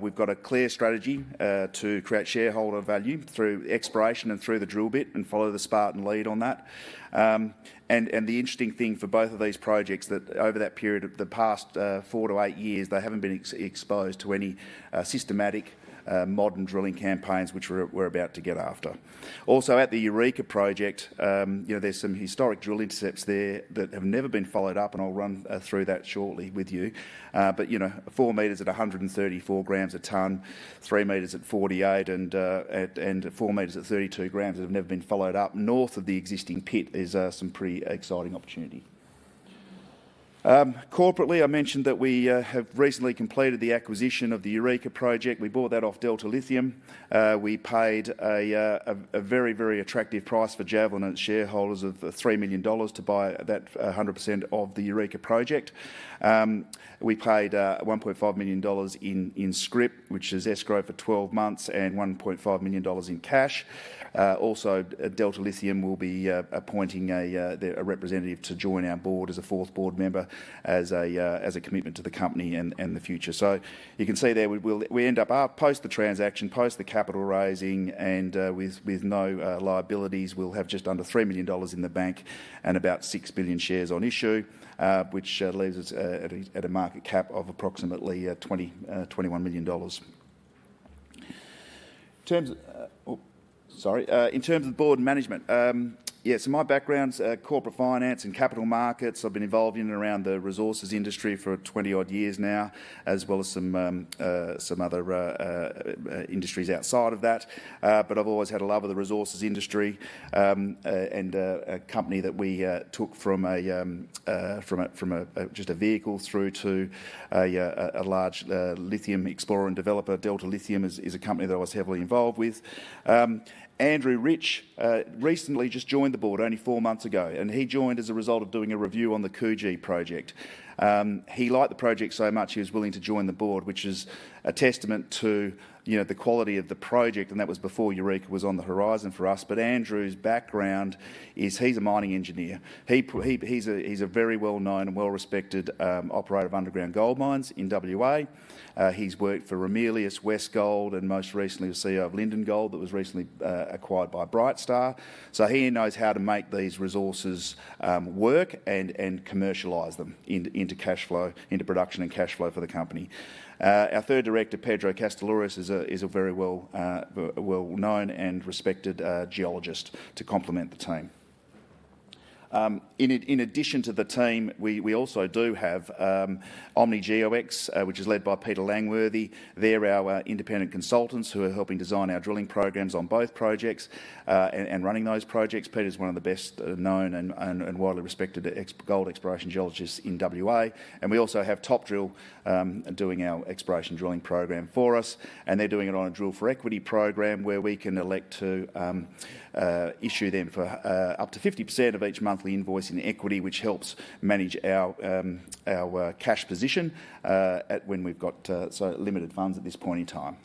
We've got a clear strategy to create shareholder value through exploration and through the drill bit and follow the Spartan Resources lead on that. And the interesting thing for both of these projects is that over that period of the past four to eight years, they haven't been exposed to any systematic modern drilling campaigns, which we're about to get after. Also, at the Eureka project, there's some historic drill intercepts there that have never been followed up, and I'll run through that shortly with you, but four meters at 134 grams a ton, three meters at 48, and four meters at 32 grams that have never been followed up north of the existing pit is some pretty exciting opportunity. Corporately, I mentioned that we have recently completed the acquisition of the Eureka project. We bought that off Delta Lithium. We paid a very, very attractive price for Javelin and its shareholders of 3 million dollars to buy that 100% of the Eureka project. We paid 1.5 million dollars in scrip, which is escrow for 12 months, and 1.5 million dollars in cash. Also, Delta Lithium will be appointing a representative to join our board as a fourth board member as a commitment to the company and the future. You can see there we end up post the transaction, post the capital raising, and with no liabilities. We'll have just under 3 million dollars in the bank and about six billion shares on issue, which leaves us at a market cap of approximately 21 million dollars. Sorry. In terms of board management, yeah, so my background's corporate finance and capital markets. I've been involved in and around the resources industry for 20-odd years now, as well as some other industries outside of that. But I've always had a love of the resources industry and a company that we took from just a vehicle through to a large lithium explorer and developer. Delta Lithium is a company that I was heavily involved with. Andrew Rich recently just joined the board only four months ago, and he joined as a result of doing a review on the Coogee project. He liked the project so much he was willing to join the board, which is a testament to the quality of the project, and that was before Eureka was on the horizon for us. But Andrew's background is he's a mining engineer. He's a very well-known and well-respected operator of underground gold mines in WA. He's worked for Ramelius, Westgold, and most recently the CEO of Linden Gold that was recently acquired by Brightstar. So he knows how to make these resources work and commercialize them into production and cash flow for the company. Our third director, Pedro Kastellorizos, is a very well-known and respected geologist to complement the team. In addition to the team, we also do have OMNI GeoX, which is led by Peter Langworthy. They're our independent consultants who are helping design our drilling programs on both projects and running those projects. Peter's one of the best known and widely respected gold exploration geologists in WA. We also have Topdrill doing our exploration drilling program for us. They're doing it on a drill for equity program where we can elect to issue them for up to 50% of each monthly invoice in equity, which helps manage our cash position when we've got so limited funds at this point in time.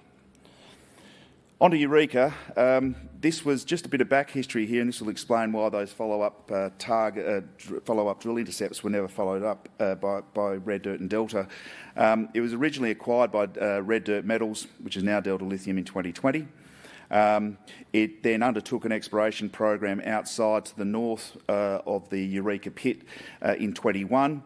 Onto Eureka. This was just a bit of back history here, and this will explain why those follow-up drill intercepts were never followed up by Red Dirt and Delta. It was originally acquired by Red Dirt Metals, which is now Delta Lithium in 2020. It then undertook an exploration program outside the north of the Eureka pit in 2021.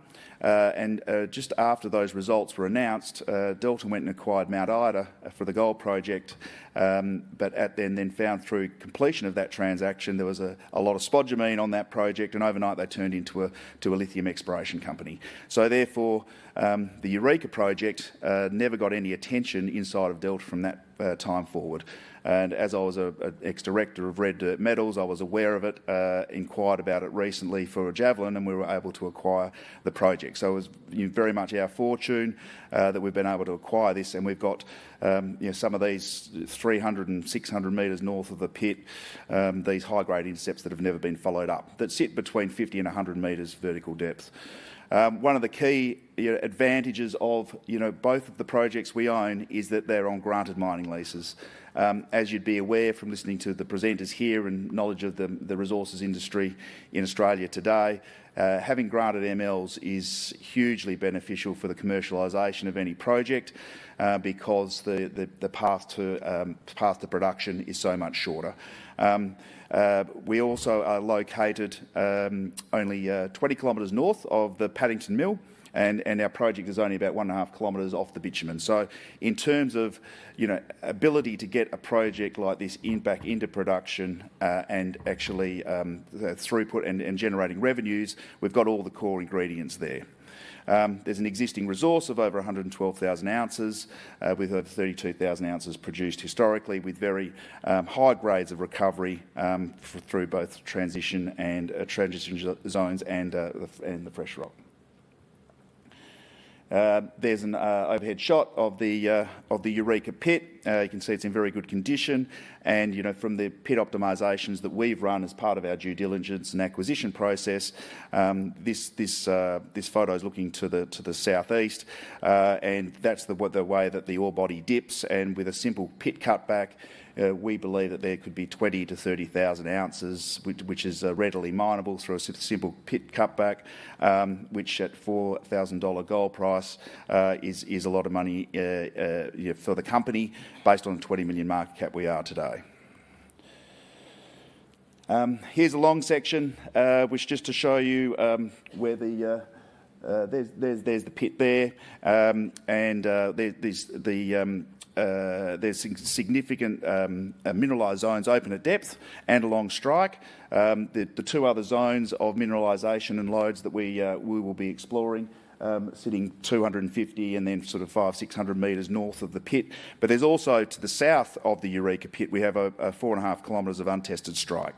Just after those results were announced, Delta went and acquired Mount Ida for the gold project. But then found through completion of that transaction, there was a lot of spodumene on that project, and overnight they turned into a lithium exploration company. So therefore, the Eureka project never got any attention inside of Delta from that time forward. And as I was an ex-director of Red Dirt Metals, I was aware of it, inquired about it recently for Javelin, and we were able to acquire the project. So it was very much our fortune that we've been able to acquire this. And we've got some of these 300 and 600 meters north of the pit, these high-grade intercepts that have never been followed up that sit between 50 and 100 meters vertical depth. One of the key advantages of both of the projects we own is that they're on granted mining leases. As you'd be aware from listening to the presenters here and knowledge of the resources industry in Australia today, having granted MLs is hugely beneficial for the commercialization of any project because the path to production is so much shorter. We also are located only 20 kilometers north of the Paddington Mill, and our project is only about one and a half kilometers off the bitumen. So in terms of ability to get a project like this back into production and actually throughput and generating revenues, we've got all the core ingredients there. There's an existing resource of over 112,000 ounces, with over 32,000 ounces produced historically, with very high grades of recovery through both transition zones and the fresh rock. There's an overhead shot of the Eureka pit. You can see it's in very good condition. From the pit optimizations that we've run as part of our due diligence and acquisition process, this photo is looking to the southeast. That's the way that the ore body dips. With a simple pit cutback, we believe that there could be 20-30,000 ounces, which is readily minable through a simple pit cutback, which at $4,000 gold price is a lot of money for the company based on the 20 million market cap we are today. Here's a long section, which just to show you where there's the pit there. There's significant mineralized zones open at depth and along strike. The two other zones of mineralization and loads that we will be exploring sitting 250 and then sort of 500, 600 meters north of the pit. But there's also to the south of the Eureka pit, we have four and a half kilometers of untested strike,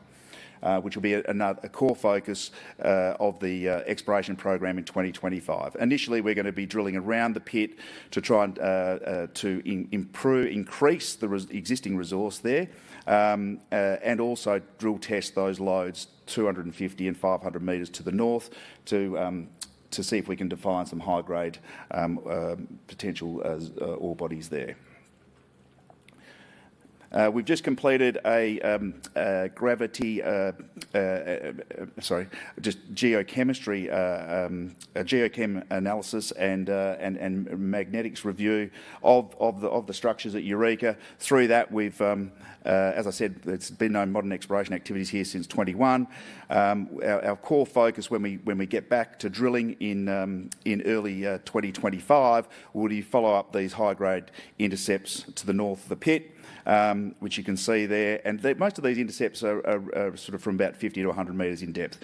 which will be a core focus of the exploration program in 2025. Initially, we're going to be drilling around the pit to try to increase the existing resource there and also drill test those lodes 250 and 500 meters to the north to see if we can define some high-grade potential ore bodies there. We've just completed a gravity sorry, just geochemistry, geochem analysis and magnetics review of the structures at Eureka. Through that, as I said, there's been no modern exploration activities here since 2021. Our core focus when we get back to drilling in early 2025 will be to follow up these high-grade intercepts to the north of the pit, which you can see there. Most of these intercepts are sort of from about 50-100 meters in depth.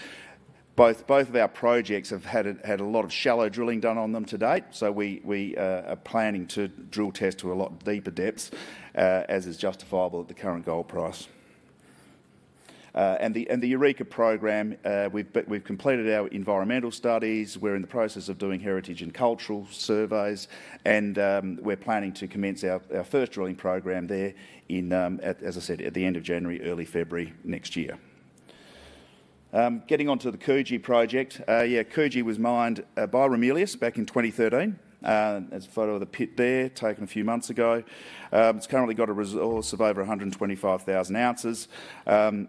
Both of our projects have had a lot of shallow drilling done on them to date. We are planning to drill test to a lot deeper depths, as is justifiable at the current gold price. The Eureka program, we've completed our environmental studies. We're in the process of doing heritage and cultural surveys. We're planning to commence our first drilling program there in, as I said, at the end of January, early February next year. Getting onto the Kuji project, yeah, Kuji was mined by Ramelius back in 2013. There's a photo of the pit there taken a few months ago. It's currently got a resource of over 125,000 ounces.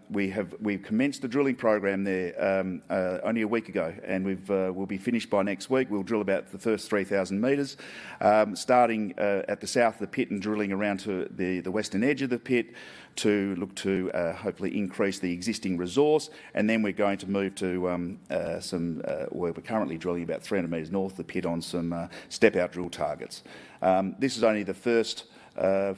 We've commenced the drilling program there only a week ago, and we'll be finished by next week. We'll drill about the first 3,000 meters, starting at the south of the pit and drilling around to the western edge of the pit to look to hopefully increase the existing resource, and then we're going to move to where we're currently drilling about 300 meters north of the pit on some step-out drill targets. This is only the first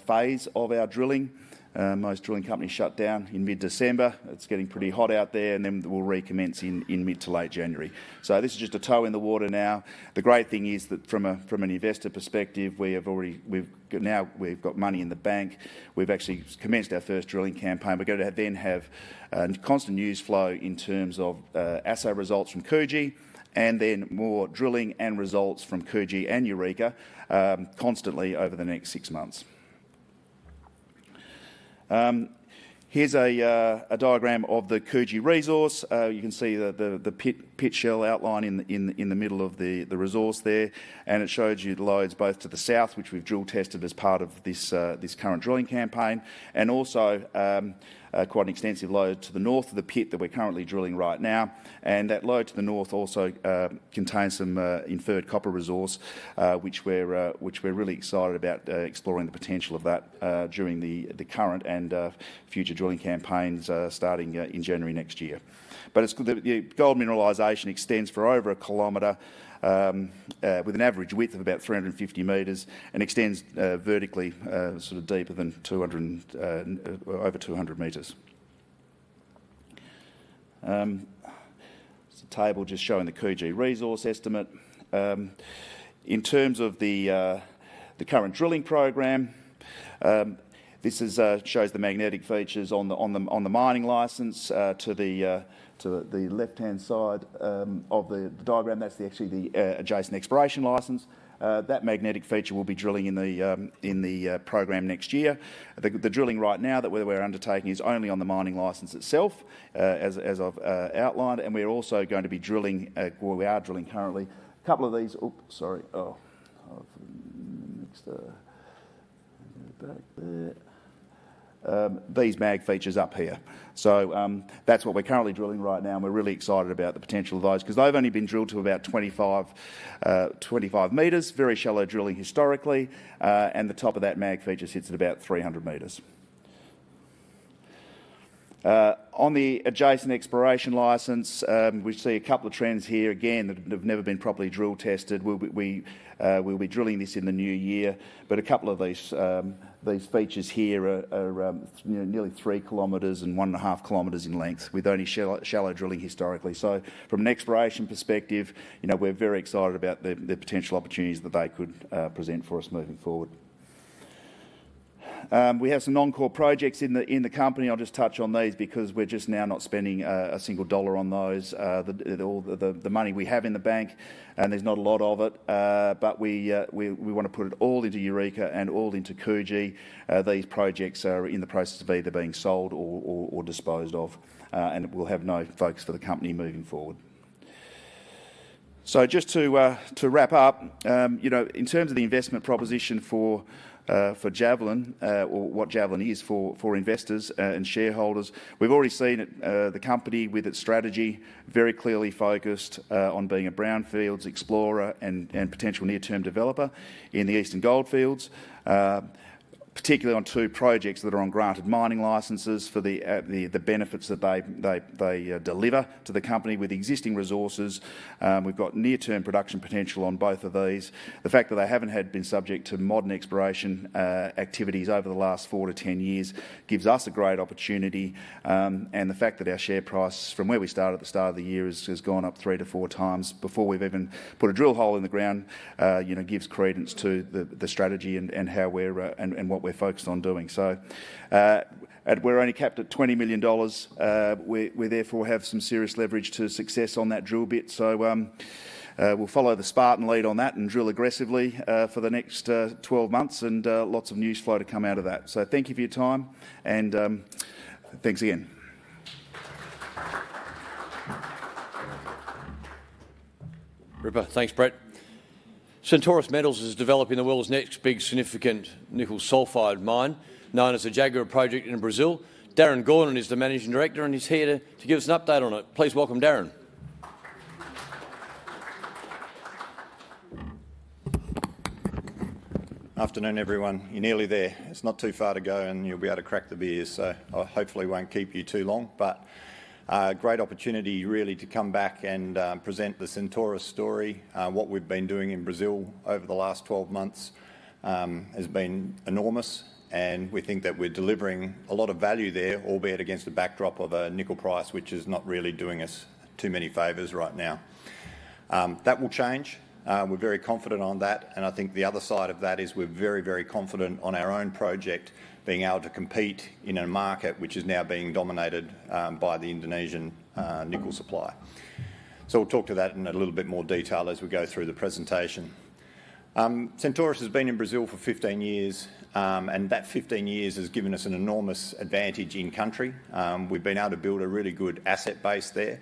phase of our drilling. Most drilling companies shut down in mid-December. It's getting pretty hot out there, and then we'll recommence in mid to late January, so this is just a toe in the water now. The great thing is that from an investor perspective, now we've got money in the bank. We've actually commenced our first drilling campaign. We're going to then have constant news flow in terms of assay results from Kuji and then more drilling and results from Kuji and Eureka constantly over the next six months. Here's a diagram of the Jaguar resource. You can see the pit shell outline in the middle of the resource there, and it shows you the lodes both to the south, which we've drill tested as part of this current drilling campaign, and also quite an extensive lode to the north of the pit that we're currently drilling right now, and that lode to the north also contains some inferred copper resource, which we're really excited about exploring the potential of that during the current and future drilling campaigns starting in January next year, but the gold mineralization extends for over a kilometer with an average width of about 350 meters and extends vertically sort of deeper than over 200 meters. It's a table just showing the Jaguar resource estimate. In terms of the current drilling program, this shows the magnetic features on the mining license to the left-hand side of the diagram. That's actually the adjacent exploration license. That magnetic feature will be drilling in the program next year. The drilling right now that we're undertaking is only on the mining license itself, as I've outlined. And we're also going to be drilling, or we are drilling currently, a couple of these, oops, sorry. These mag features up here. So that's what we're currently drilling right now. And we're really excited about the potential of those because they've only been drilled to about 25 meters, very shallow drilling historically. And the top of that mag feature sits at about 300 meters. On the adjacent exploration license, we see a couple of trends here again that have never been properly drill tested. We'll be drilling this in the new year. But a couple of these features here are nearly three kilometers and one and a half kilometers in length with only shallow drilling historically. So from an exploration perspective, we're very excited about the potential opportunities that they could present for us moving forward. We have some non-core projects in the company. I'll just touch on these because we're just now not spending a single dollar on those. The money we have in the bank, and there's not a lot of it, but we want to put it all into Eureka and all into Kuji. These projects are in the process of either being sold or disposed of, and we'll have no cost for the company moving forward. So, just to wrap up, in terms of the investment proposition for Javelin or what Javelin is for investors and shareholders, we've already seen the company with its strategy very clearly focused on being a brownfields explorer and potential near-term developer in the eastern goldfields, particularly on two projects that are on granted mining licenses for the benefits that they deliver to the company with existing resources. We've got near-term production potential on both of these. The fact that they haven't been subject to modern exploration activities over the last four to ten years gives us a great opportunity. And the fact that our share price from where we started at the start of the year has gone up three to four times before we've even put a drill hole in the ground gives credence to the strategy and what we're focused on doing. So we're only capped at 20 million dollars. We therefore have some serious leverage to success on that drill bit. So we'll follow the Spartan lead on that and drill aggressively for the next 12 months and lots of news flow to come out of that. So thank you for your time. And thanks again. Ripper. Thanks, Brett. Centaurus Metals is developing the world's next big significant nickel sulfide mine, known as the Jaguar Project in Brazil. Darren Gordon is the Managing Director, and he's here to give us an update on it. Please welcome Darren. Afternoon, everyone. You're nearly there. It's not too far to go, and you'll be able to crack the beers. So I hopefully won't keep you too long, but a great opportunity really to come back and present the Centaurus story. What we've been doing in Brazil over the last 12 months has been enormous, and we think that we're delivering a lot of value there, albeit against the backdrop of a nickel price which is not really doing us too many favors right now. That will change. We're very confident on that. And I think the other side of that is we're very, very confident on our own project being able to compete in a market which is now being dominated by the Indonesian nickel supply. So we'll talk to that in a little bit more detail as we go through the presentation. Centaurus has been in Brazil for 15 years, and that 15 years has given us an enormous advantage in country. We've been able to build a really good asset base there.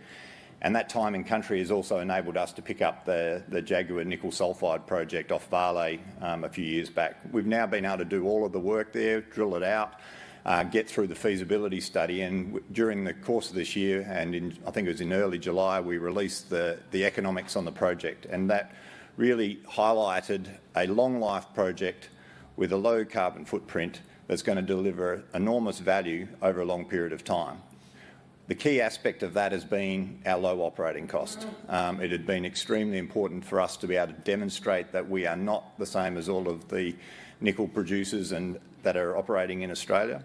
That time in country has also enabled us to pick up the Jaguar Nickel Sulphide Project off Vale a few years back. We've now been able to do all of the work there, drill it out, get through the feasibility study. During the course of this year, and I think it was in early July, we released the economics on the project. That really highlighted a long-life project with a low carbon footprint that's going to deliver enormous value over a long period of time. The key aspect of that has been our low operating cost. It had been extremely important for us to be able to demonstrate that we are not the same as all of the nickel producers that are operating in Australia.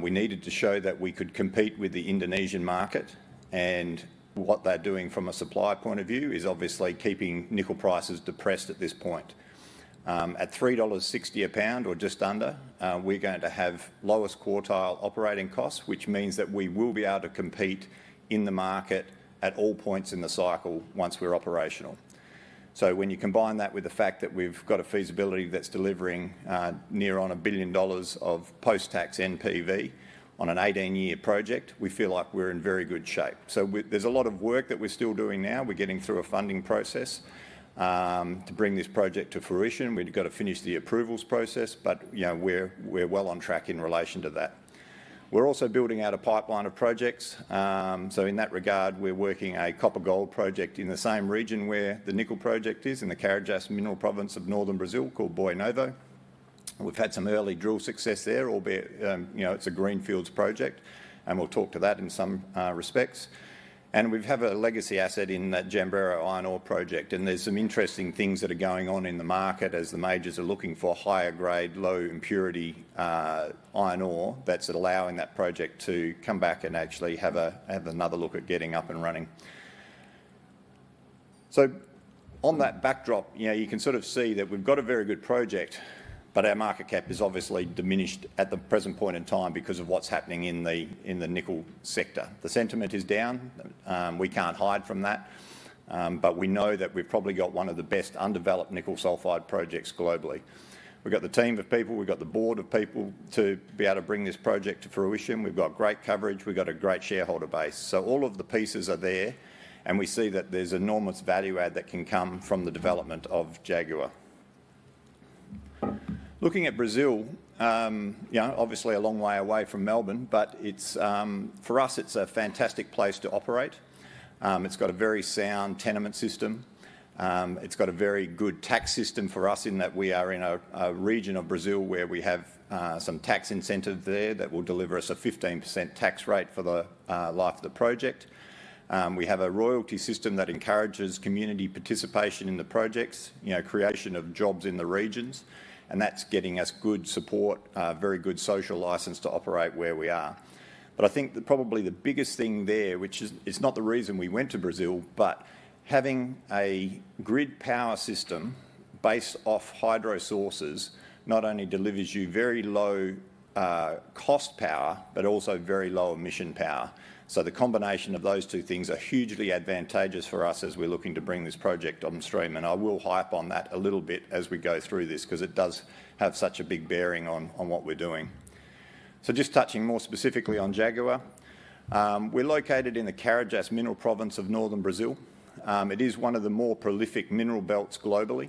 We needed to show that we could compete with the Indonesian market. And what they're doing from a supply point of view is obviously keeping nickel prices depressed at this point. At $3.60 a pound or just under, we're going to have lowest quartile operating costs, which means that we will be able to compete in the market at all points in the cycle once we're operational. So when you combine that with the fact that we've got a feasibility that's delivering near on a billion dollars of post-tax NPV on an 18-year project, we feel like we're in very good shape. So there's a lot of work that we're still doing now. We're getting through a funding process to bring this project to fruition. We've got to finish the approvals process, but we're well on track in relation to that. We're also building out a pipeline of projects. So in that regard, we're working a copper-gold project in the same region where the nickel project is in the Carajás Mineral Province of northern Brazil called Boi Novo. We've had some early drill success there, albeit it's a greenfields project. And we'll talk to that in some respects. And we have a legacy asset in that Jambreiro iron ore project. And there's some interesting things that are going on in the market as the majors are looking for higher-grade, low-impurity iron ore that's allowing that project to come back and actually have another look at getting up and running. So on that backdrop, you can sort of see that we've got a very good project, but our market cap is obviously diminished at the present point in time because of what's happening in the nickel sector. The sentiment is down. We can't hide from that. But we know that we've probably got one of the best undeveloped nickel sulfide projects globally. We've got the team of people. We've got the board of people to be able to bring this project to fruition. We've got great coverage. We've got a great shareholder base. So all of the pieces are there. And we see that there's enormous value add that can come from the development of Jaguar. Looking at Brazil, obviously a long way away from Melbourne, but for us, it's a fantastic place to operate. It's got a very sound tenement system. It's got a very good tax system for us in that we are in a region of Brazil where we have some tax incentives there that will deliver us a 15% tax rate for the life of the project. We have a royalty system that encourages community participation in the projects, creation of jobs in the regions. And that's getting us good support, very good social license to operate where we are. But I think that probably the biggest thing there, which is not the reason we went to Brazil, but having a grid power system based off hydro sources not only delivers you very low cost power, but also very low emission power. So the combination of those two things are hugely advantageous for us as we're looking to bring this project upstream. And I will hype on that a little bit as we go through this because it does have such a big bearing on what we're doing. So just touching more specifically on Jaguar, we're located in the Carajás mineral province of northern Brazil. It is one of the more prolific mineral belts globally.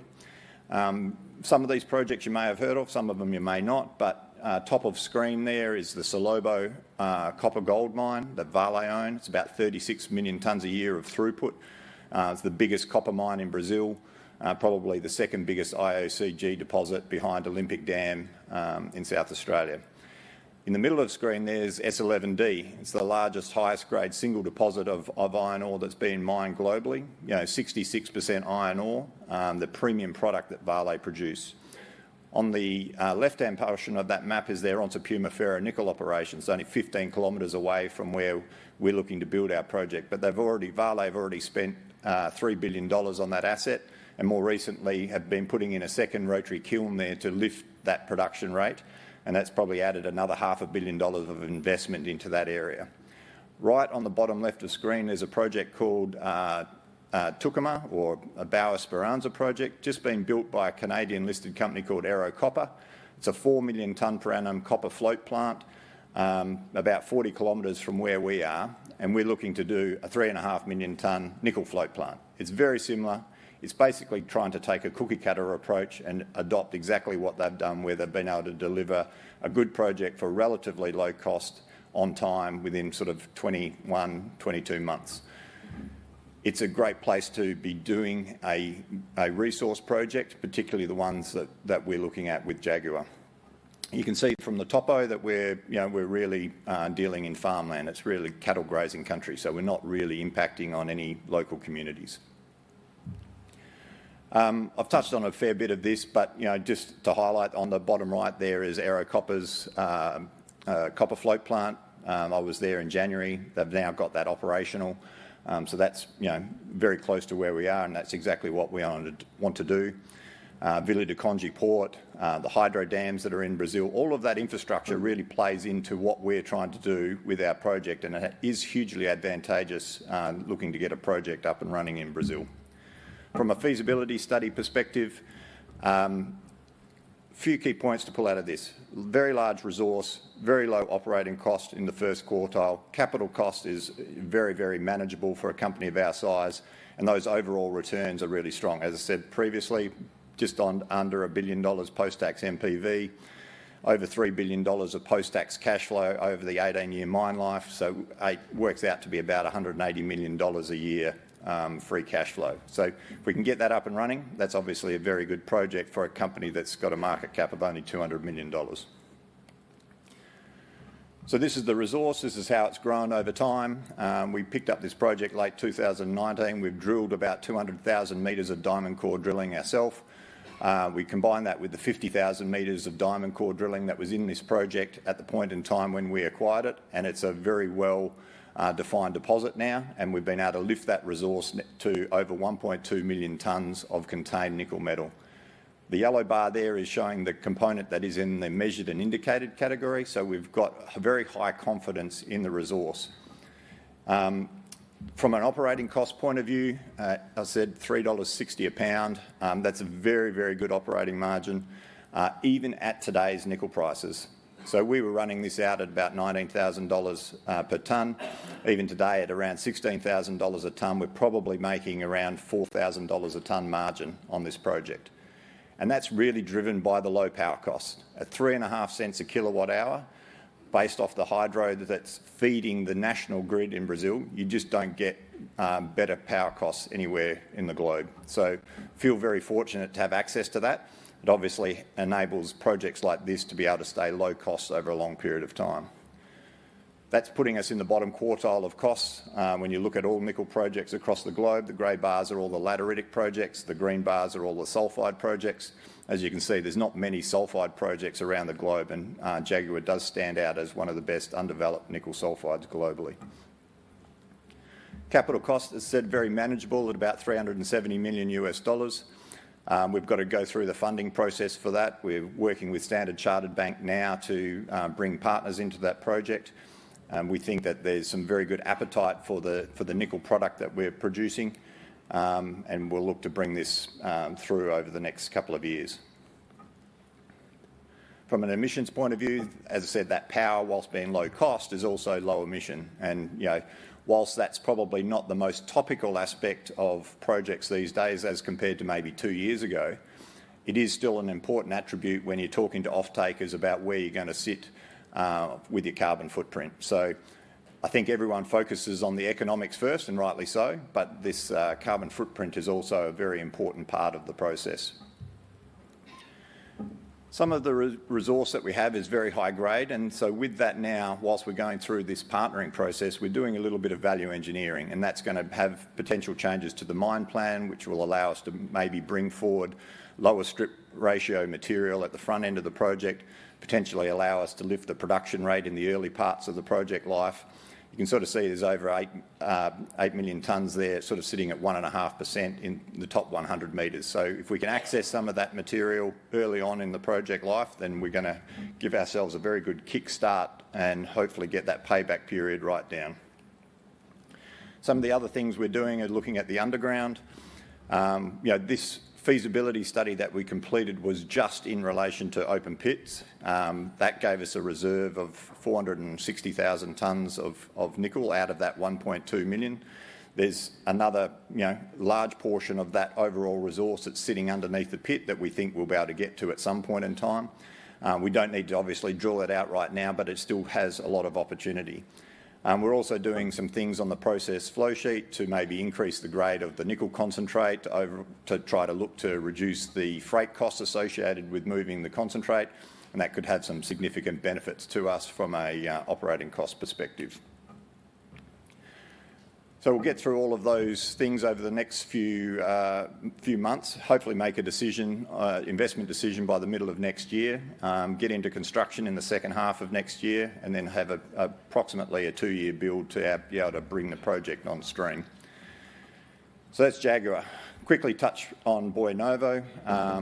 Some of these projects you may have heard of. Some of them you may not. But top of screen there is the Salobo copper-gold mine that Vale owns. It's about 36 million tonnes a year of throughput. It's the biggest copper mine in Brazil, probably the second biggest IOCG deposit behind Olympic Dam in South Australia. In the middle of screen, there's S11D. It's the largest highest-grade single deposit of iron ore that's being mined globally, 66% iron ore, the premium product that Vale produce. On the left-hand portion of that map is their Onça Puma nickel operations, only 15 kilometers away from where we're looking to build our project. But Vale have already spent $3 billion on that asset and more recently have been putting in a second rotary kiln there to lift that production rate. That's probably added another 500 million dollars of investment into that area. Right on the bottom left of screen is a project called Tucumã or Boa Esperança project, just being built by a Canadian-listed company called Ero Copper. It's a four million-tonne per annum copper float plant about 40 kilometers from where we are. And we're looking to do a three and a half million-tonne nickel float plant. It's very similar. It's basically trying to take a cookie-cutter approach and adopt exactly what they've done where they've been able to deliver a good project for relatively low cost on time within sort of 21, 22 months. It's a great place to be doing a resource project, particularly the ones that we're looking at with Jaguar. You can see from the topo that we're really dealing in farmland. It's really cattle-grazing country, so we're not really impacting on any local communities. I've touched on a fair bit of this, but just to highlight, on the bottom right there is Ero Copper's copper float plant. I was there in January. They've now got that operational. So that's very close to where we are, and that's exactly what we want to do. Vila do Conde Port, the hydro dams that are in Brazil, all of that infrastructure really plays into what we're trying to do with our project. And it is hugely advantageous looking to get a project up and running in Brazil. From a feasibility study perspective, a few key points to pull out of this. Very large resource, very low operating cost in the first quartile. Capital cost is very, very manageable for a company of our size. And those overall returns are really strong. As I said previously, just under a billion dollars post-tax NPV, over $3 billion of post-tax cash flow over the 18-year mine life. So it works out to be about $180 million a year free cash flow. So if we can get that up and running, that's obviously a very good project for a company that's got a market cap of only $200 million. So this is the resource. This is how it's grown over time. We picked up this project late 2019. We've drilled about 200,000 meters of diamond core drilling ourselves. We combine that with the 50,000 meters of diamond core drilling that was in this project at the point in time when we acquired it. And it's a very well-defined deposit now. And we've been able to lift that resource to over 1.2 million tonnes of contained nickel metal. The yellow bar there is showing the component that is in the measured and indicated category. So we've got very high confidence in the resource. From an operating cost point of view, I said $3.60 a pound. That's a very, very good operating margin even at today's nickel prices. So we were running this out at about $19,000 per tonne. Even today at around $16,000 a tonne, we're probably making around $4,000 a tonne margin on this project. And that's really driven by the low power cost. At 3.5 cents a kilowatt hour, based off the hydro that's feeding the national grid in Brazil, you just don't get better power costs anywhere in the globe. So feel very fortunate to have access to that. It obviously enables projects like this to be able to stay low cost over a long period of time. That's putting us in the bottom quartile of cost. When you look at all nickel projects across the globe, the grey bars are all the lateritic projects. The green bars are all the sulfide projects. As you can see, there's not many sulfide projects around the globe. And Jaguar does stand out as one of the best undeveloped nickel sulfides globally. Capital cost is, say, very manageable at about $370 million USD. We've got to go through the funding process for that. We're working with Standard Chartered Bank now to bring partners into that project. We think that there's some very good appetite for the nickel product that we're producing. And we'll look to bring this through over the next couple of years. From an emissions point of view, as I said, that power, while being low cost, is also low emission. While that's probably not the most topical aspect of projects these days as compared to maybe two years ago, it is still an important attribute when you're talking to off-takers about where you're going to sit with your carbon footprint. So I think everyone focuses on the economics first, and rightly so, but this carbon footprint is also a very important part of the process. Some of the resource that we have is very high grade. And so with that now, while we're going through this partnering process, we're doing a little bit of value engineering. And that's going to have potential changes to the mine plan, which will allow us to maybe bring forward lower strip ratio material at the front end of the project, potentially allow us to lift the production rate in the early parts of the project life. You can sort of see there's over 8 million tons there, sort of sitting at 1.5% in the top 100 meters. So if we can access some of that material early on in the project life, then we're going to give ourselves a very good kickstart and hopefully get that payback period right down. Some of the other things we're doing are looking at the underground. This feasibility study that we completed was just in relation to open pits. That gave us a reserve of 460,000 tons of nickel out of that 1.2 million. There's another large portion of that overall resource that's sitting underneath the pit that we think we'll be able to get to at some point in time. We don't need to obviously drill it out right now, but it still has a lot of opportunity. We're also doing some things on the process flow sheet to maybe increase the grade of the nickel concentrate to try to look to reduce the freight cost associated with moving the concentrate. And that could have some significant benefits to us from an operating cost perspective. So we'll get through all of those things over the next few months, hopefully make an investment decision by the middle of next year, get into construction in the second half of next year, and then have approximately a two-year build to be able to bring the project on stream. So that's Jaguar. Quickly touch on Boi Novo.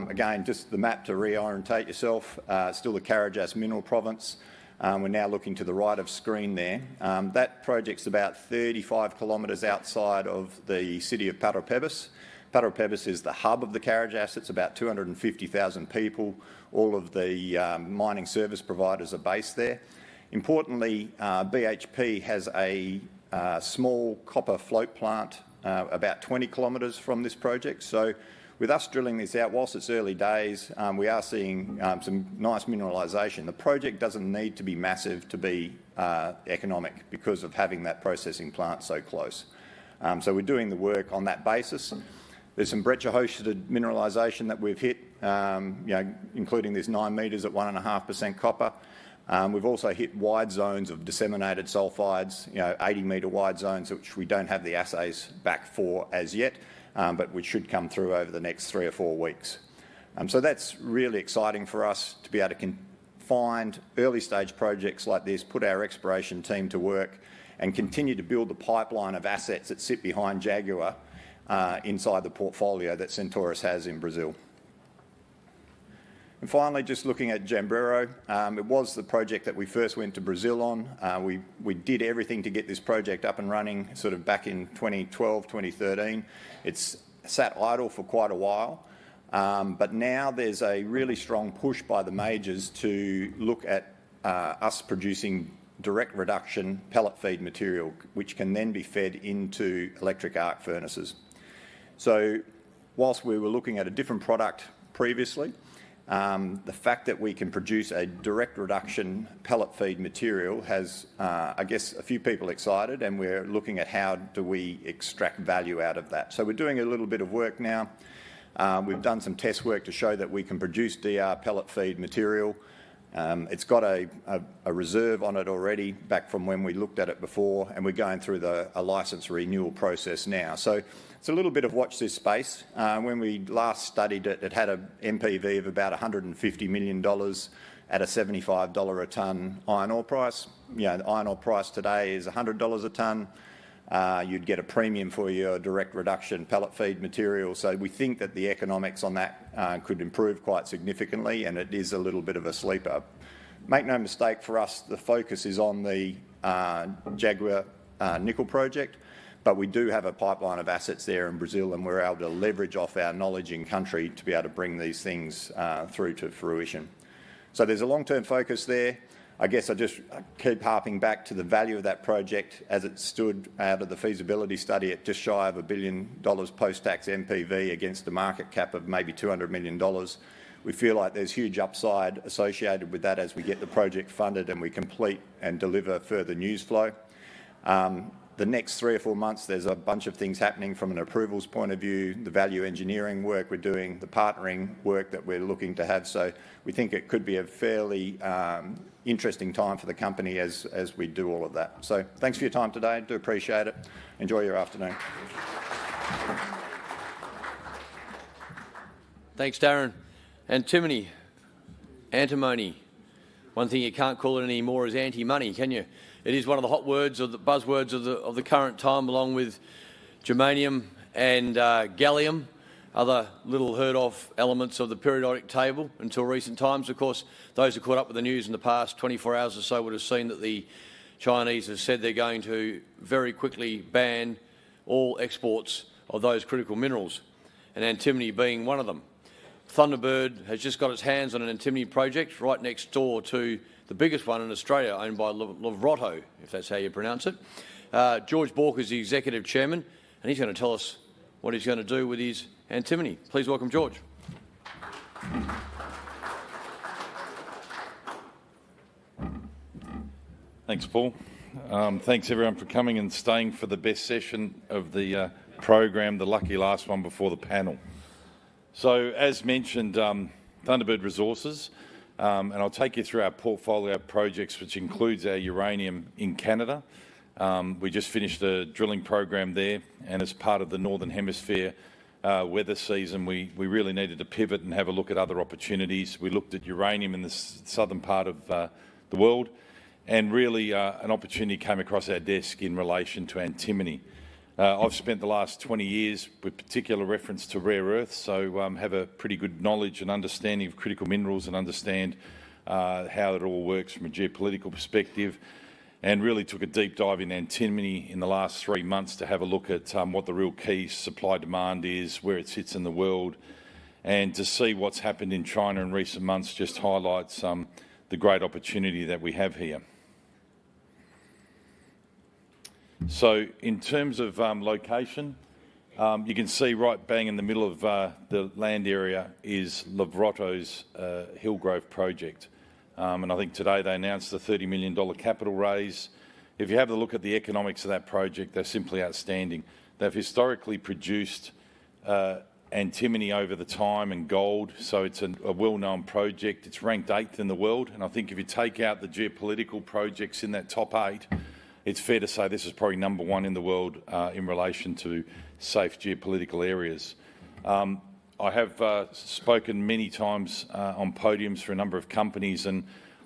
Again, just the map to reorientate yourself. Still the Carajás mineral province. We're now looking to the right of screen there. That project's about 35 kilometers outside of the city of Parauapebas. Parauapebas is the hub of the Carajás. It's about 250,000 people. All of the mining service providers are based there. Importantly, BHP has a small copper float plant about 20 kilometers from this project. So with us drilling this out, while it's early days, we are seeing some nice mineralization. The project doesn't need to be massive to be economic because of having that processing plant so close. So we're doing the work on that basis. There's some breccia-hosted mineralization that we've hit, including this nine meters at 1.5% copper. We've also hit wide zones of disseminated sulfides, 80-meter-wide zones, which we don't have the assays back for as yet, but which should come through over the next three or four weeks. That's really exciting for us to be able to find early-stage projects like this, put our exploration team to work, and continue to build the pipeline of assets that sit behind Jaguar inside the portfolio that Centaurus has in Brazil. Finally, just looking at Jambreiro, it was the project that we first went to Brazil on. We did everything to get this project up and running sort of back in 2012, 2013. It sat idle for quite a while. Now there's a really strong push by the majors to look at us producing direct reduction pellet feed material, which can then be fed into electric arc furnaces. While we were looking at a different product previously, the fact that we can produce a direct reduction pellet feed material has, I guess, a few people excited. And we're looking at how do we extract value out of that. So we're doing a little bit of work now. We've done some test work to show that we can produce DR pellet feed material. It's got a reserve on it already back from when we looked at it before. And we're going through a license renewal process now. So it's a little bit of watch this space. When we last studied it, it had an NPV of about $150 million at a $75 a tonne iron ore price. Iron ore price today is $100 a tonne. You'd get a premium for your direct reduction pellet feed material. So we think that the economics on that could improve quite significantly. And it is a little bit of a sleeper. Make no mistake, for us, the focus is on the Jaguar nickel project. But we do have a pipeline of assets there in Brazil. And we're able to leverage off our knowledge in country to be able to bring these things through to fruition. So there's a long-term focus there. I guess I just keep harping back to the value of that project as it stood out of the feasibility study. It's just shy of 1 billion dollars post-tax NPV against a market cap of maybe 200 million dollars. We feel like there's huge upside associated with that as we get the project funded and we complete and deliver further news flow. The next three or four months, there's a bunch of things happening from an approvals point of view, the value engineering work we're doing, the partnering work that we're looking to have. So we think it could be a fairly interesting time for the company as we do all of that. So thanks for your time today. Do appreciate it. Enjoy your afternoon. Thanks, Darren, Antimony, antimony. One thing you can't call it anymore is anti-money, can you? It is one of the hot words or the buzzwords of the current time, along with germanium and gallium, other little heard-of elements of the periodic table until recent times. Of course, those who caught up with the news in the past 24 hours or so would have seen that the Chinese have said they're going to very quickly ban all exports of those critical minerals, and antimony being one of them. Thunderbird has just got its hands on an antimony project right next door to the biggest one in Australia, owned by Larvotto, if that's how you pronounce it. George Bauk is the Executive Chairman. He is going to tell us what he is going to do with his antimony. Please welcome George. Thanks, Paul. Thanks, everyone, for coming and staying for the best session of the program, the lucky last one before the panel. So as mentioned, Thunderbird Resources. And I'll take you through our portfolio of projects, which includes our uranium in Canada. We just finished a drilling program there. And as part of the northern hemisphere weather season, we really needed to pivot and have a look at other opportunities. We looked at uranium in the southern part of the world. And really, an opportunity came across our desk in relation to antimony. I've spent the last 20 years with particular reference to rare earths, so have a pretty good knowledge and understanding of critical minerals and understand how it all works from a geopolitical perspective. And really took a deep dive into antimony in the last three months to have a look at what the real key supply and demand is, where it sits in the world, and to see what's happened in China in recent months just highlights the great opportunity that we have here. So in terms of location, you can see right bang in the middle of the land area is Larvotto's Hillgrove project. And I think today they announced the 30 million dollar capital raise. If you have a look at the economics of that project, they're simply outstanding. They've historically produced antimony over time and gold. So it's a well-known project. It's ranked eighth in the world. And I think if you take out the geopolitical projects in that top eight, it's fair to say this is probably number one in the world in relation to safe geopolitical areas. I have spoken many times on podiums for a number of companies, and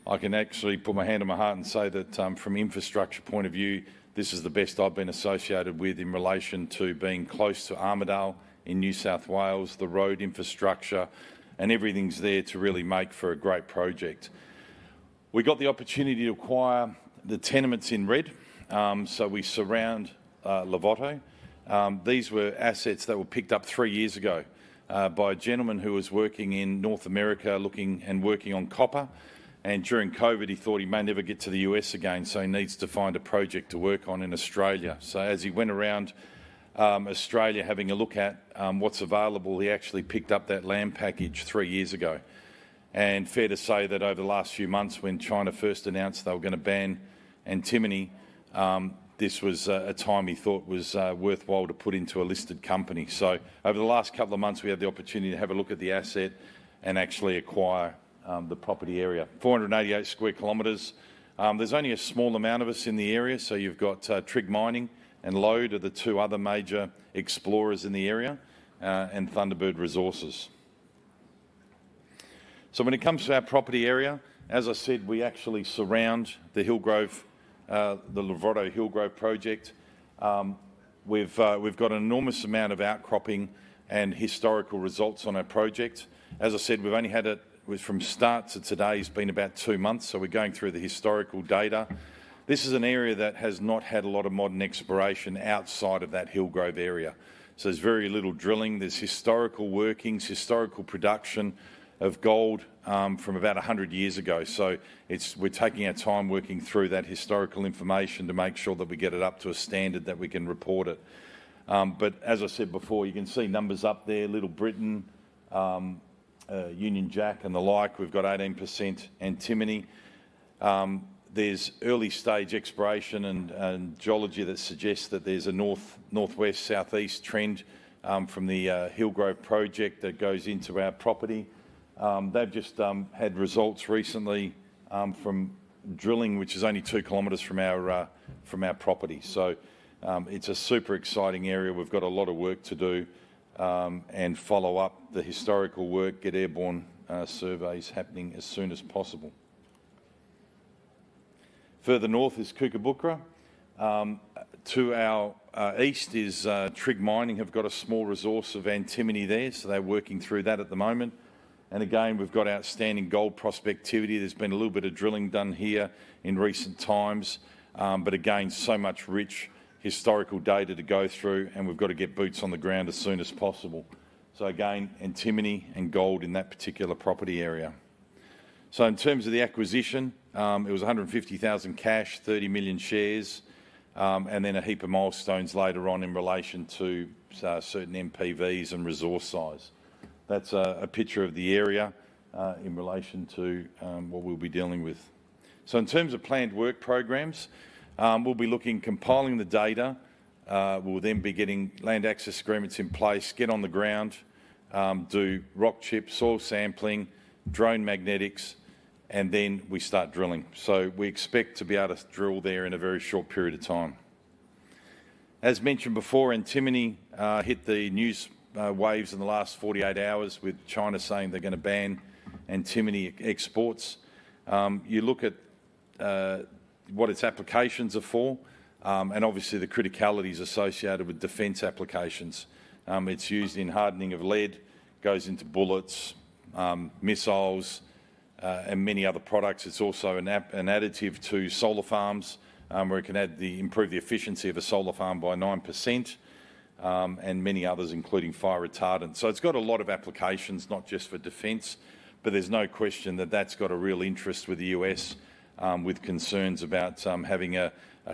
I can actually put my hand on my heart and say that from an infrastructure point of view, this is the best I've been associated with in relation to being close to Armidale in New South Wales. The road infrastructure and everything's there to really make for a great project, so we surround Larvotto. These were assets that were picked up three years ago by a gentleman who was working in North America and working on copper, and during COVID, he thought he may never get to the U.S. again, so he needs to find a project to work on in Australia, so as he went around Australia having a look at what's available, he actually picked up that land package three years ago. And fair to say that over the last few months, when China first announced they were going to ban antimony, this was a time he thought was worthwhile to put into a listed company. So over the last couple of months, we had the opportunity to have a look at the asset and actually acquire the property area. 488 square kilometers. There's only a small amount of us in the area. So you've got Trigg Minerals and Lode Resources are the two other major explorers in the area and Thunderbird Resources. So when it comes to our property area, as I said, we actually surround the Hillgrove, the Larvotto Hillgrove project. We've got an enormous amount of outcropping and historical results on our project. As I said, we've only had it from start to today has been about two months. So we're going through the historical data. This is an area that has not had a lot of modern exploration outside of that Hillgrove area. So there's very little drilling. There's historical workings, historical production of gold from about 100 years ago. So we're taking our time working through that historical information to make sure that we get it up to a standard that we can report it. But as I said before, you can see numbers up there. Little Britain, Union Jack and the like, we've got 18% antimony. There's early-stage exploration and geology that suggests that there's a northwest-southeast trend from the Hillgrove project that goes into our property. They've just had results recently from drilling, which is only two kilometers from our property. So it's a super exciting area. We've got a lot of work to do and follow up the historical work, get airborne surveys happening as soon as possible. Further north is Kookabookra. To our east is Trigg Minerals. They've got a small resource of antimony there. So they're working through that at the moment. And again, we've got outstanding gold prospectivity. There's been a little bit of drilling done here in recent times. But again, so much rich historical data to go through. And we've got to get boots on the ground as soon as possible. So again, antimony and gold in that particular property area. So in terms of the acquisition, it was 150,000 cash, 30 million shares, and then a heap of milestones later on in relation to certain NPVs and resource size. That's a picture of the area in relation to what we'll be dealing with. So in terms of planned work programs, we'll be looking, compiling the data. We'll then be getting land access agreements in place, get on the ground, do rock chip, soil sampling, drone magnetics, and then we start drilling, so we expect to be able to drill there in a very short period of time. As mentioned before, antimony hit the news waves in the last 48 hours with China saying they're going to ban antimony exports. You look at what its applications are for and obviously the criticalities associated with defense applications. It's used in hardening of lead, goes into bullets, missiles, and many other products. It's also an additive to solar farms where it can improve the efficiency of a solar farm by 9% and many others, including fire retardant, so it's got a lot of applications, not just for defense. But there's no question that that's got a real interest with the U.S. with concerns about having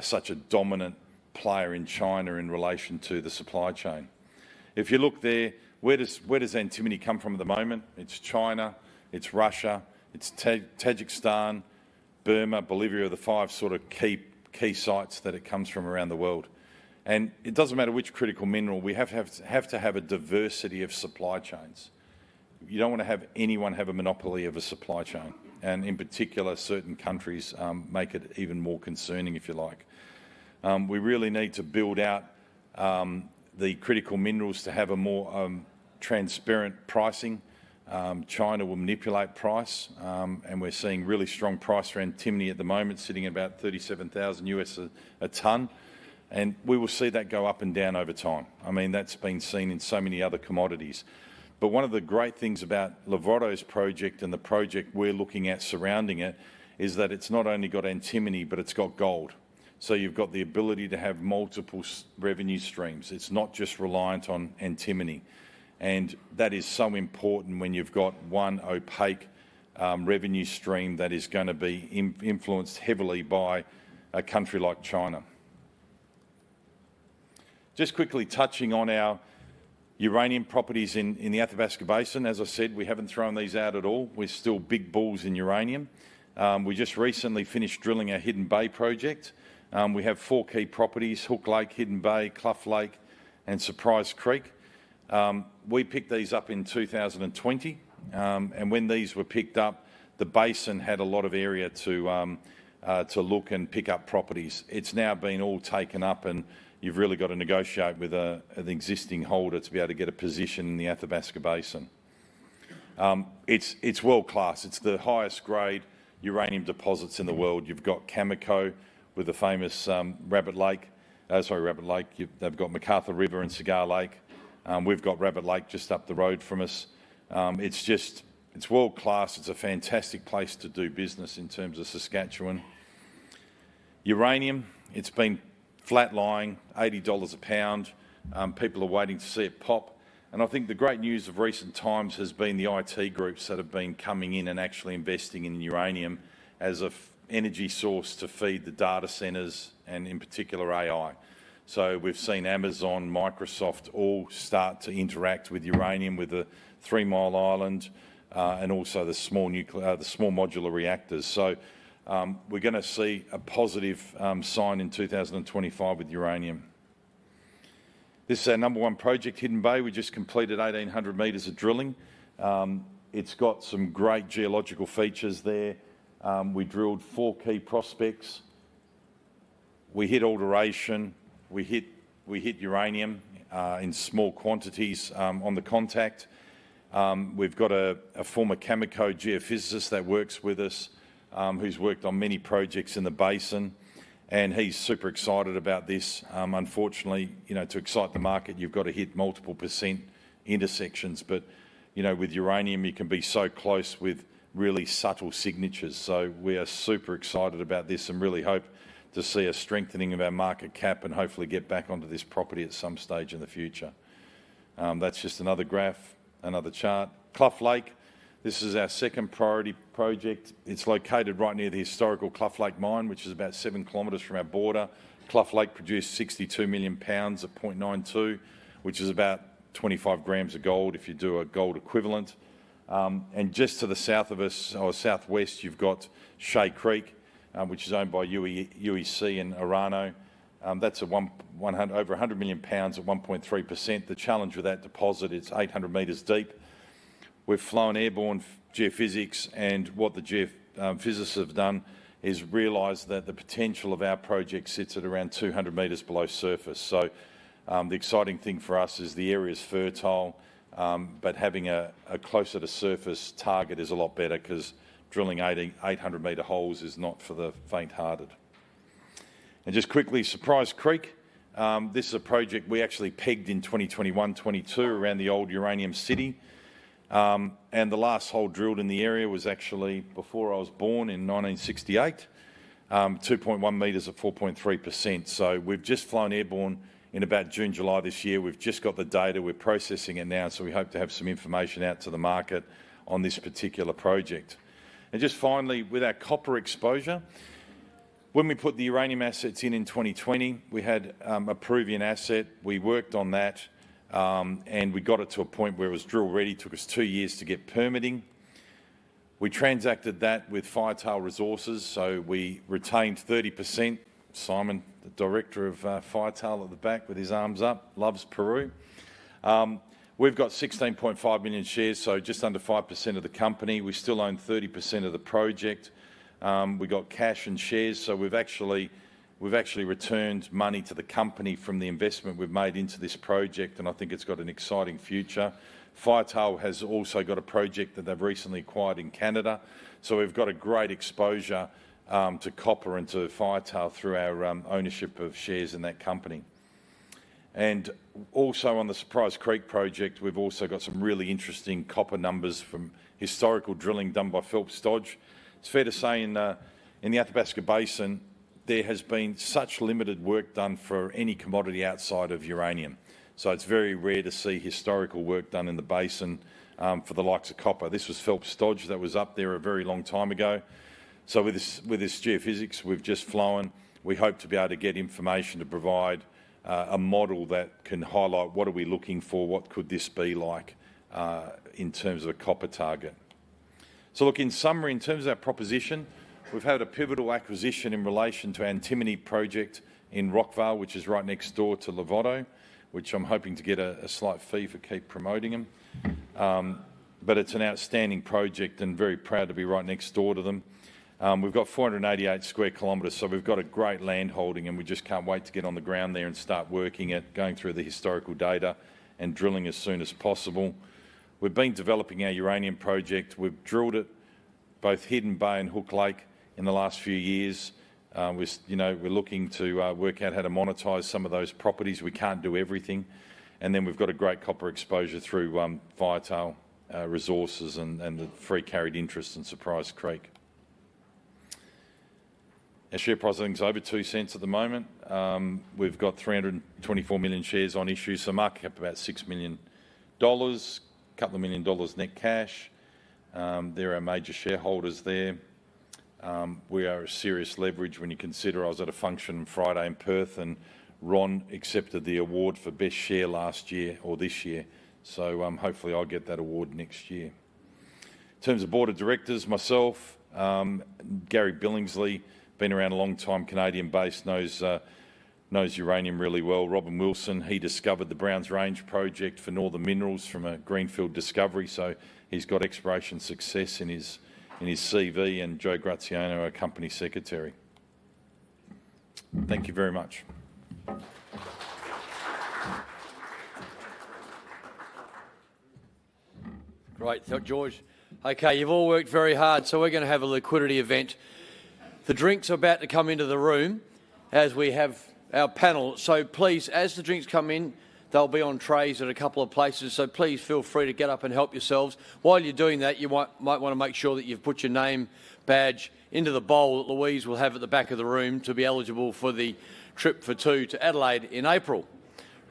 such a dominant player in China in relation to the supply chain. If you look there, where does antimony come from at the moment? It's China, it's Russia, it's Tajikistan, Burma, Bolivia are the five sort of key sites that it comes from around the world. And it doesn't matter which critical mineral. We have to have a diversity of supply chains. You don't want to have anyone have a monopoly of a supply chain. And in particular, certain countries make it even more concerning, if you like. We really need to build out the critical minerals to have a more transparent pricing. China will manipulate price. And we're seeing really strong price for antimony at the moment, sitting at about $37,000 a tonne. We will see that go up and down over time. I mean, that's been seen in so many other commodities. One of the great things about Larvotto's project and the project we're looking at surrounding it is that it's not only got antimony, but it's got gold. You've got the ability to have multiple revenue streams. It's not just reliant on antimony. That is so important when you've got one opaque revenue stream that is going to be influenced heavily by a country like China. Just quickly touching on our uranium properties in the Athabasca Basin. As I said, we haven't thrown these out at all. We're still big bulls in uranium. We just recently finished drilling our Hidden Bay project. We have four key properties: Hook Lake, Hidden Bay, Cluff Lake, and Surprise Creek. We picked these up in 2020. When these were picked up, the basin had a lot of area to look and pick up properties. It's now been all taken up. You've really got to negotiate with an existing holder to be able to get a position in the Athabasca Basin. It's world-class. It's the highest-grade uranium deposits in the world. You've got Cameco with the famous Rabbit Lake. Sorry, Rabbit Lake. They've got McArthur River and Cigar Lake. We've got Rabbit Lake just up the road from us. It's world-class. It's a fantastic place to do business in terms of Saskatchewan. Uranium, it's been flat-lying, $80 a pound. People are waiting to see it pop. I think the great news of recent times has been the IT groups that have been coming in and actually investing in uranium as an energy source to feed the data centers and in particular AI. We've seen Amazon, Microsoft all start to interact with uranium with the Three Mile Island and also the small modular reactors. We're going to see a positive sign in 2025 with uranium. This is our number one project, Hidden Bay. We just completed 1,800 meters of drilling. It's got some great geological features there. We drilled four key prospects. We hit alteration. We hit uranium in small quantities on the contact. We've got a former Cameco geophysicist that works with us who's worked on many projects in the basin. He's super excited about this. Unfortunately, to excite the market, you've got to hit multiple % intersections. With uranium, you can be so close with really subtle signatures. So we are super excited about this and really hope to see a strengthening of our market cap and hopefully get back onto this property at some stage in the future. That's just another graph, another chart. Cluff Lake. This is our second priority project. It's located right near the historical Cluff Lake mine, which is about seven kilometers from our border. Cluff Lake produced 62 million pounds of 0.92%, which is about 25 grams of gold if you do a gold equivalent. And just to the south of us or southwest, you've got Shea Creek, which is owned by UEC in Orano. That's over 100 million pounds at 1.3%. The challenge with that deposit, it's 800 meters deep. We've flown airborne geophysics. And what the geophysicists have done is realized that the potential of our project sits at around 200 meters below surface. The exciting thing for us is the area is fertile. But having a closer-to-surface target is a lot better because drilling 800-meter holes is not for the faint-hearted. Just quickly, Surprise Creek. This is a project we actually pegged in 2021-2022 around the old Uranium City. The last hole drilled in the area was actually before I was born in 1968, 2.1 meters at 4.3%. We've just flown airborne in about June, July this year. We've just got the data. We're processing it now. We hope to have some information out to the market on this particular project. Just finally, with our copper exposure, when we put the uranium assets in in 2020, we had a Peruvian asset. We worked on that. We got it to a point where it was drill-ready. It took us two years to get permitting. We transacted that with Firetail Resources, so we retained 30%. Simon, the director of Firetail at the back with his arms up, loves Peru. We've got 16.5 million shares, so just under 5% of the company. We still own 30% of the project. We got cash and shares, so we've actually returned money to the company from the investment we've made into this project, and I think it's got an exciting future. Firetail has also got a project that they've recently acquired in Canada, so we've got a great exposure to copper and to Firetail through our ownership of shares in that company, and also on the Surprise Creek project, we've also got some really interesting copper numbers from historical drilling done by Phelps Dodge. It's fair to say in the Athabasca Basin, there has been such limited work done for any commodity outside of uranium. It's very rare to see historical work done in the basin for the likes of copper. This was Phelps Dodge that was up there a very long time ago. So with this geophysics, we've just flown. We hope to be able to get information to provide a model that can highlight what are we looking for, what could this be like in terms of a copper target. So look, in summary, in terms of our proposition, we've had a pivotal acquisition in relation to antimony project in Rockvale, which is right next door to Larvotto. We're hoping to get a slight fee if we keep promoting them. But it's an outstanding project and very proud to be right next door to them. We've got 488 square kilometers. So we've got a great land holding. We just can't wait to get on the ground there and start working it, going through the historical data and drilling as soon as possible. We've been developing our uranium project. We've drilled it, both Hidden Bay and Hook Lake, in the last few years. We're looking to work out how to monetize some of those properties. We can't do everything. And then we've got a great copper exposure through Firetail Resources and the free carried interest in Surprise Creek. Our share price is over 2 cents at the moment. We've got 324 million shares on issue. So market cap about $6 million, a couple of million dollars net cash. There are major shareholders there. We are a serious leverage when you consider. I was at a function Friday in Perth. And Ron accepted the award for best share last year or this year. So hopefully, I'll get that award next year. In terms of board of directors, myself, Gary Billingsley, been around a long time, Canadian base, knows uranium really well. Robin Wilson, he discovered the Browns Range project for Northern Minerals from a greenfield discovery. So he's got exploration success in his CV. And Joe Graziano, our company secretary. Thank you very much. Great. Thank you, George. Okay, you've all worked very hard. So we're going to have a liquidity event. The drinks are about to come into the room as we have our panel. So please, as the drinks come in, they'll be on trays at a couple of places. So please feel free to get up and help yourselves. While you're doing that, you might want to make sure that you've put your name badge into the bowl that Louise will have at the back of the room to be eligible for the trip for two to Adelaide in April.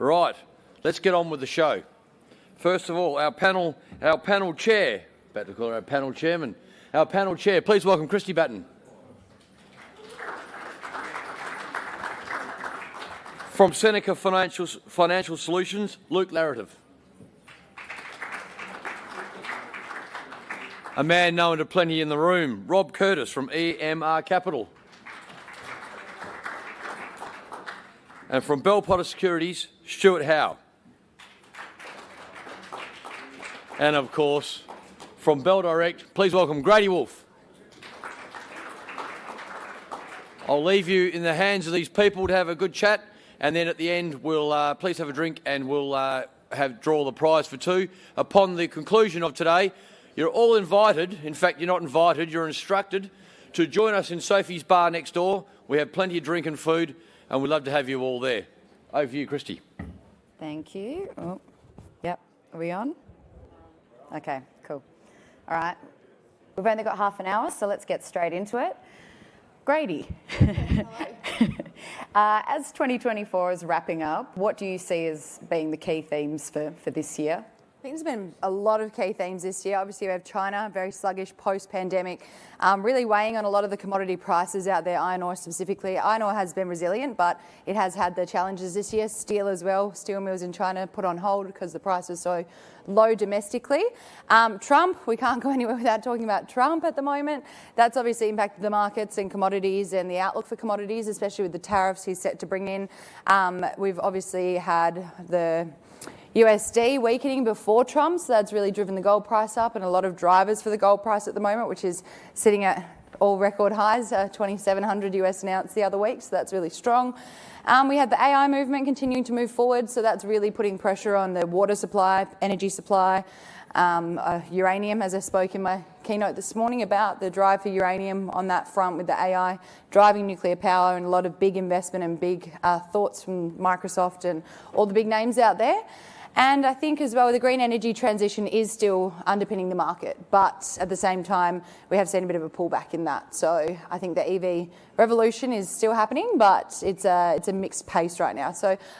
All right, let's get on with the show. First of all, our panel chair, better call her our panel chairman. Our panel chair, please welcome Kristie Batten. From Seneca Financial Solutions, Luke Laretive. A man known to plenty in the room, Rob Curtis from EMR Capital. And from Bell Potter Securities, Stuart Howe. And of course, from Bell Direct, please welcome Grady Wulff. I'll leave you in the hands of these people to have a good chat. And then at the end, we'll please have a drink and we'll draw the prize for two. Upon the conclusion of today, you're all invited. In fact, you're not invited. You're instructed to join us in Sophie's Bar next door. We have plenty of drink and food. And we'd love to have you all there. Over to you, Kristie. Thank you. Oh, yep. Are we on? We're on. Okay, cool. All right. We've only got half an hour. So let's get straight into it. Grady. All right. As 2024 is wrapping up, what do you see as being the key themes for this year? Themes have been a lot of key themes this year. Obviously, we have China, very sluggish post-pandemic, really weighing on a lot of the commodity prices out there, iron ore specifically. Iron ore has been resilient, but it has had the challenges this year. Steel as well. Steel mills in China put on hold because the price was so low domestically. Trump, we can't go anywhere without talking about Trump at the moment. That's obviously impacted the markets and commodities and the outlook for commodities, especially with the tariffs he's set to bring in. We've obviously had the USD weakening before Trump, so that's really driven the gold price up and a lot of drivers for the gold price at the moment, which is sitting at all-record highs, $2,700 announced the other week, so that's really strong. We have the AI movement continuing to move forward. That's really putting pressure on the water supply, energy supply. Uranium, as I spoke in my keynote this morning about the drive for uranium on that front with the AI driving nuclear power and a lot of big investment and big thoughts from Microsoft and all the big names out there. I think as well the green energy transition is still underpinning the market. But at the same time, we have seen a bit of a pullback in that. I think the EV revolution is still happening, but it's a mixed pace right now.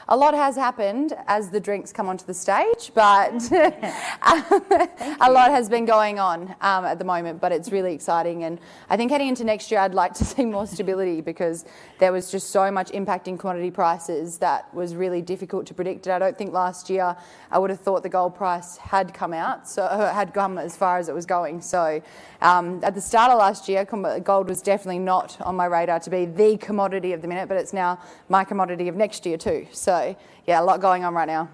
A lot has happened as the drinks come onto the stage. But a lot has been going on at the moment. But it's really exciting. I think heading into next year, I'd like to see more stability because there was just so much impact in commodity prices that was really difficult to predict. I don't think last year I would have thought the gold price had come as far as it was going. At the start of last year, gold was definitely not on my radar to be the commodity of the minute. It's now my commodity of next year too. Yeah, a lot going on right now.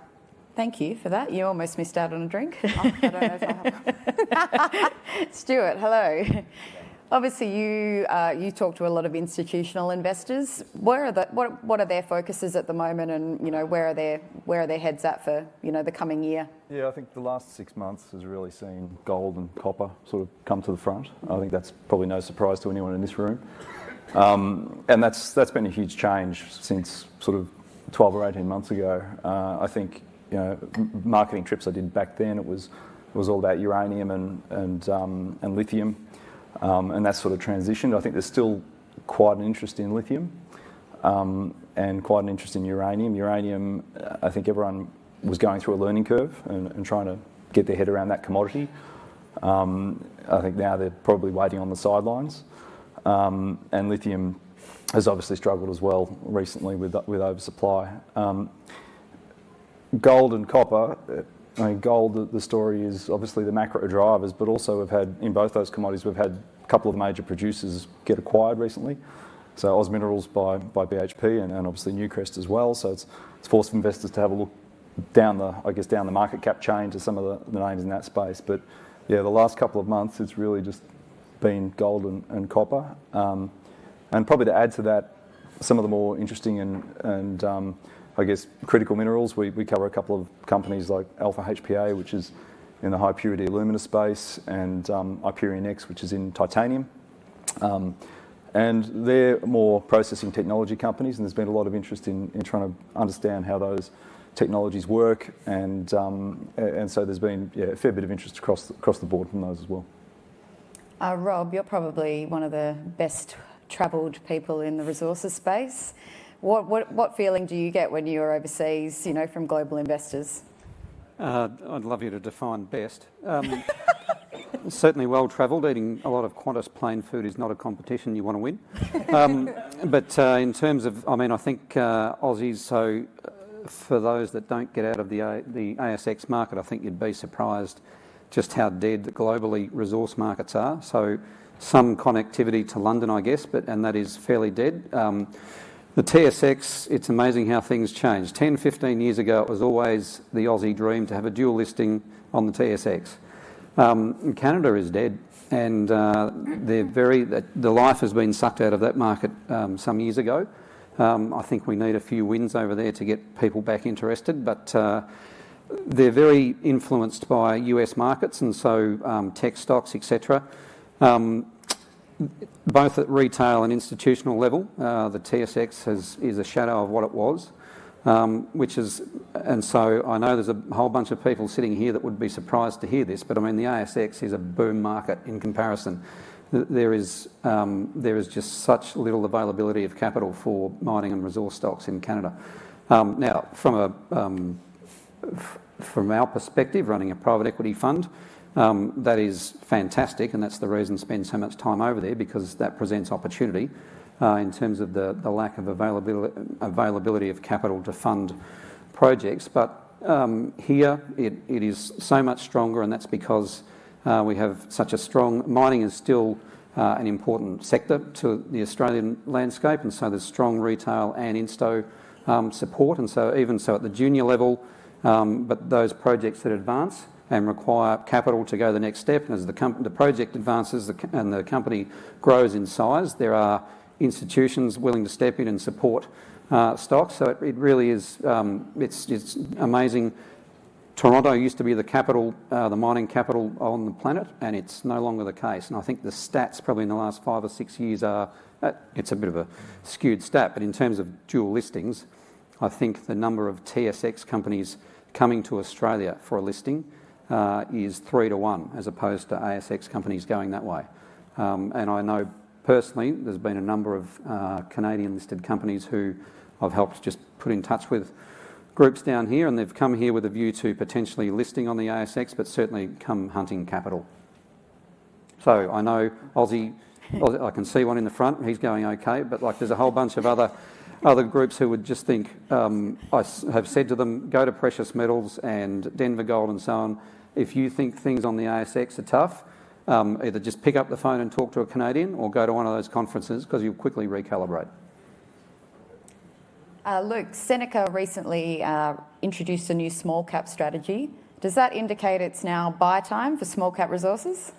Thank you for that. You almost missed out on a drink. I don't know if I have one. Stuart, hello. Obviously, you talk to a lot of institutional investors. What are their focuses at the moment? And where are their heads at for the coming year? Yeah, I think the last six months has really seen gold and copper sort of come to the front. I think that's probably no surprise to anyone in this room, and that's been a huge change since sort of 12 or 18 months ago. I think marketing trips I did back then, it was all about uranium and lithium, and that's sort of transitioned. I think there's still quite an interest in lithium and quite an interest in uranium. Uranium, I think everyone was going through a learning curve and trying to get their head around that commodity. I think now they're probably waiting on the sidelines, and lithium has obviously struggled as well recently with oversupply. Gold and copper, I mean, gold, the story is obviously the macro drivers, but also we've had in both those commodities, we've had a couple of major producers get acquired recently. So OZ Minerals by BHP and obviously Newcrest as well. So it's forced investors to have a look down the, I guess, market cap chain to some of the names in that space. But yeah, the last couple of months, it's really just been gold and copper. And probably to add to that, some of the more interesting and, I guess, critical minerals, we cover a couple of companies like Alpha HPA, which is in the high purity alumina space, and IperionX, which is in titanium. And they're more processing technology companies. And there's been a lot of interest in trying to understand how those technologies work. And so there's been a fair bit of interest across the board from those as well. Rob, you're probably one of the best traveled people in the resources space. What feeling do you get when you're overseas from global investors? I'd love you to define best. Certainly well travelled. Eating a lot of Qantas plane food is not a competition you want to win. But in terms of, I mean, I think Aussies, so for those that don't get out of the ASX market, I think you'd be surprised just how dead globally resource markets are. So some connectivity to London, I guess, and that is fairly dead. The TSX, it's amazing how things change. 10, 15 years ago, it was always the Aussie dream to have a dual listing on the TSX. Canada is dead. And the life has been sucked out of that market some years ago. I think we need a few wins over there to get people back interested. But they're very influenced by U.S. markets and so tech stocks, et cetera. Both at retail and institutional level, the TSX is a shadow of what it was. I know there's a whole bunch of people sitting here that would be surprised to hear this. I mean, the ASX is a boom market in comparison. There is just such little availability of capital for mining and resource stocks in Canada. Now, from our perspective, running a private equity fund, that is fantastic. That's the reason spend so much time over there because that presents opportunity in terms of the lack of availability of capital to fund projects. Here, it is so much stronger. That's because we have such a strong mining is still an important sector to the Australian landscape. There's strong retail and INSTO support. Even so, at the junior level, but those projects that advance and require capital to go the next step, as the project advances and the company grows in size, there are institutions willing to step in and support stocks. So it really is. It's amazing. Toronto used to be the capital, the mining capital on the planet. It's no longer the case. I think the stats probably in the last five or six years are. It's a bit of a skewed stat. But in terms of dual listings, I think the number of TSX companies coming to Australia for a listing is three to one as opposed to ASX companies going that way. I know personally. There's been a number of Canadian listed companies who I've helped just put in touch with groups down here. And they've come here with a view to potentially listing on the ASX, but certainly come hunting capital. So I know Aussie, I can see one in the front. He's going okay. But there's a whole bunch of other groups who would just think I have said to them, go to Precious Metals and Denver Gold and so on. If you think things on the ASX are tough, either just pick up the phone and talk to a Canadian or go to one of those conferences because you'll quickly recalibrate. Luke, Seneca recently introduced a new small cap strategy. Does that indicate it's now buy time for small cap resources?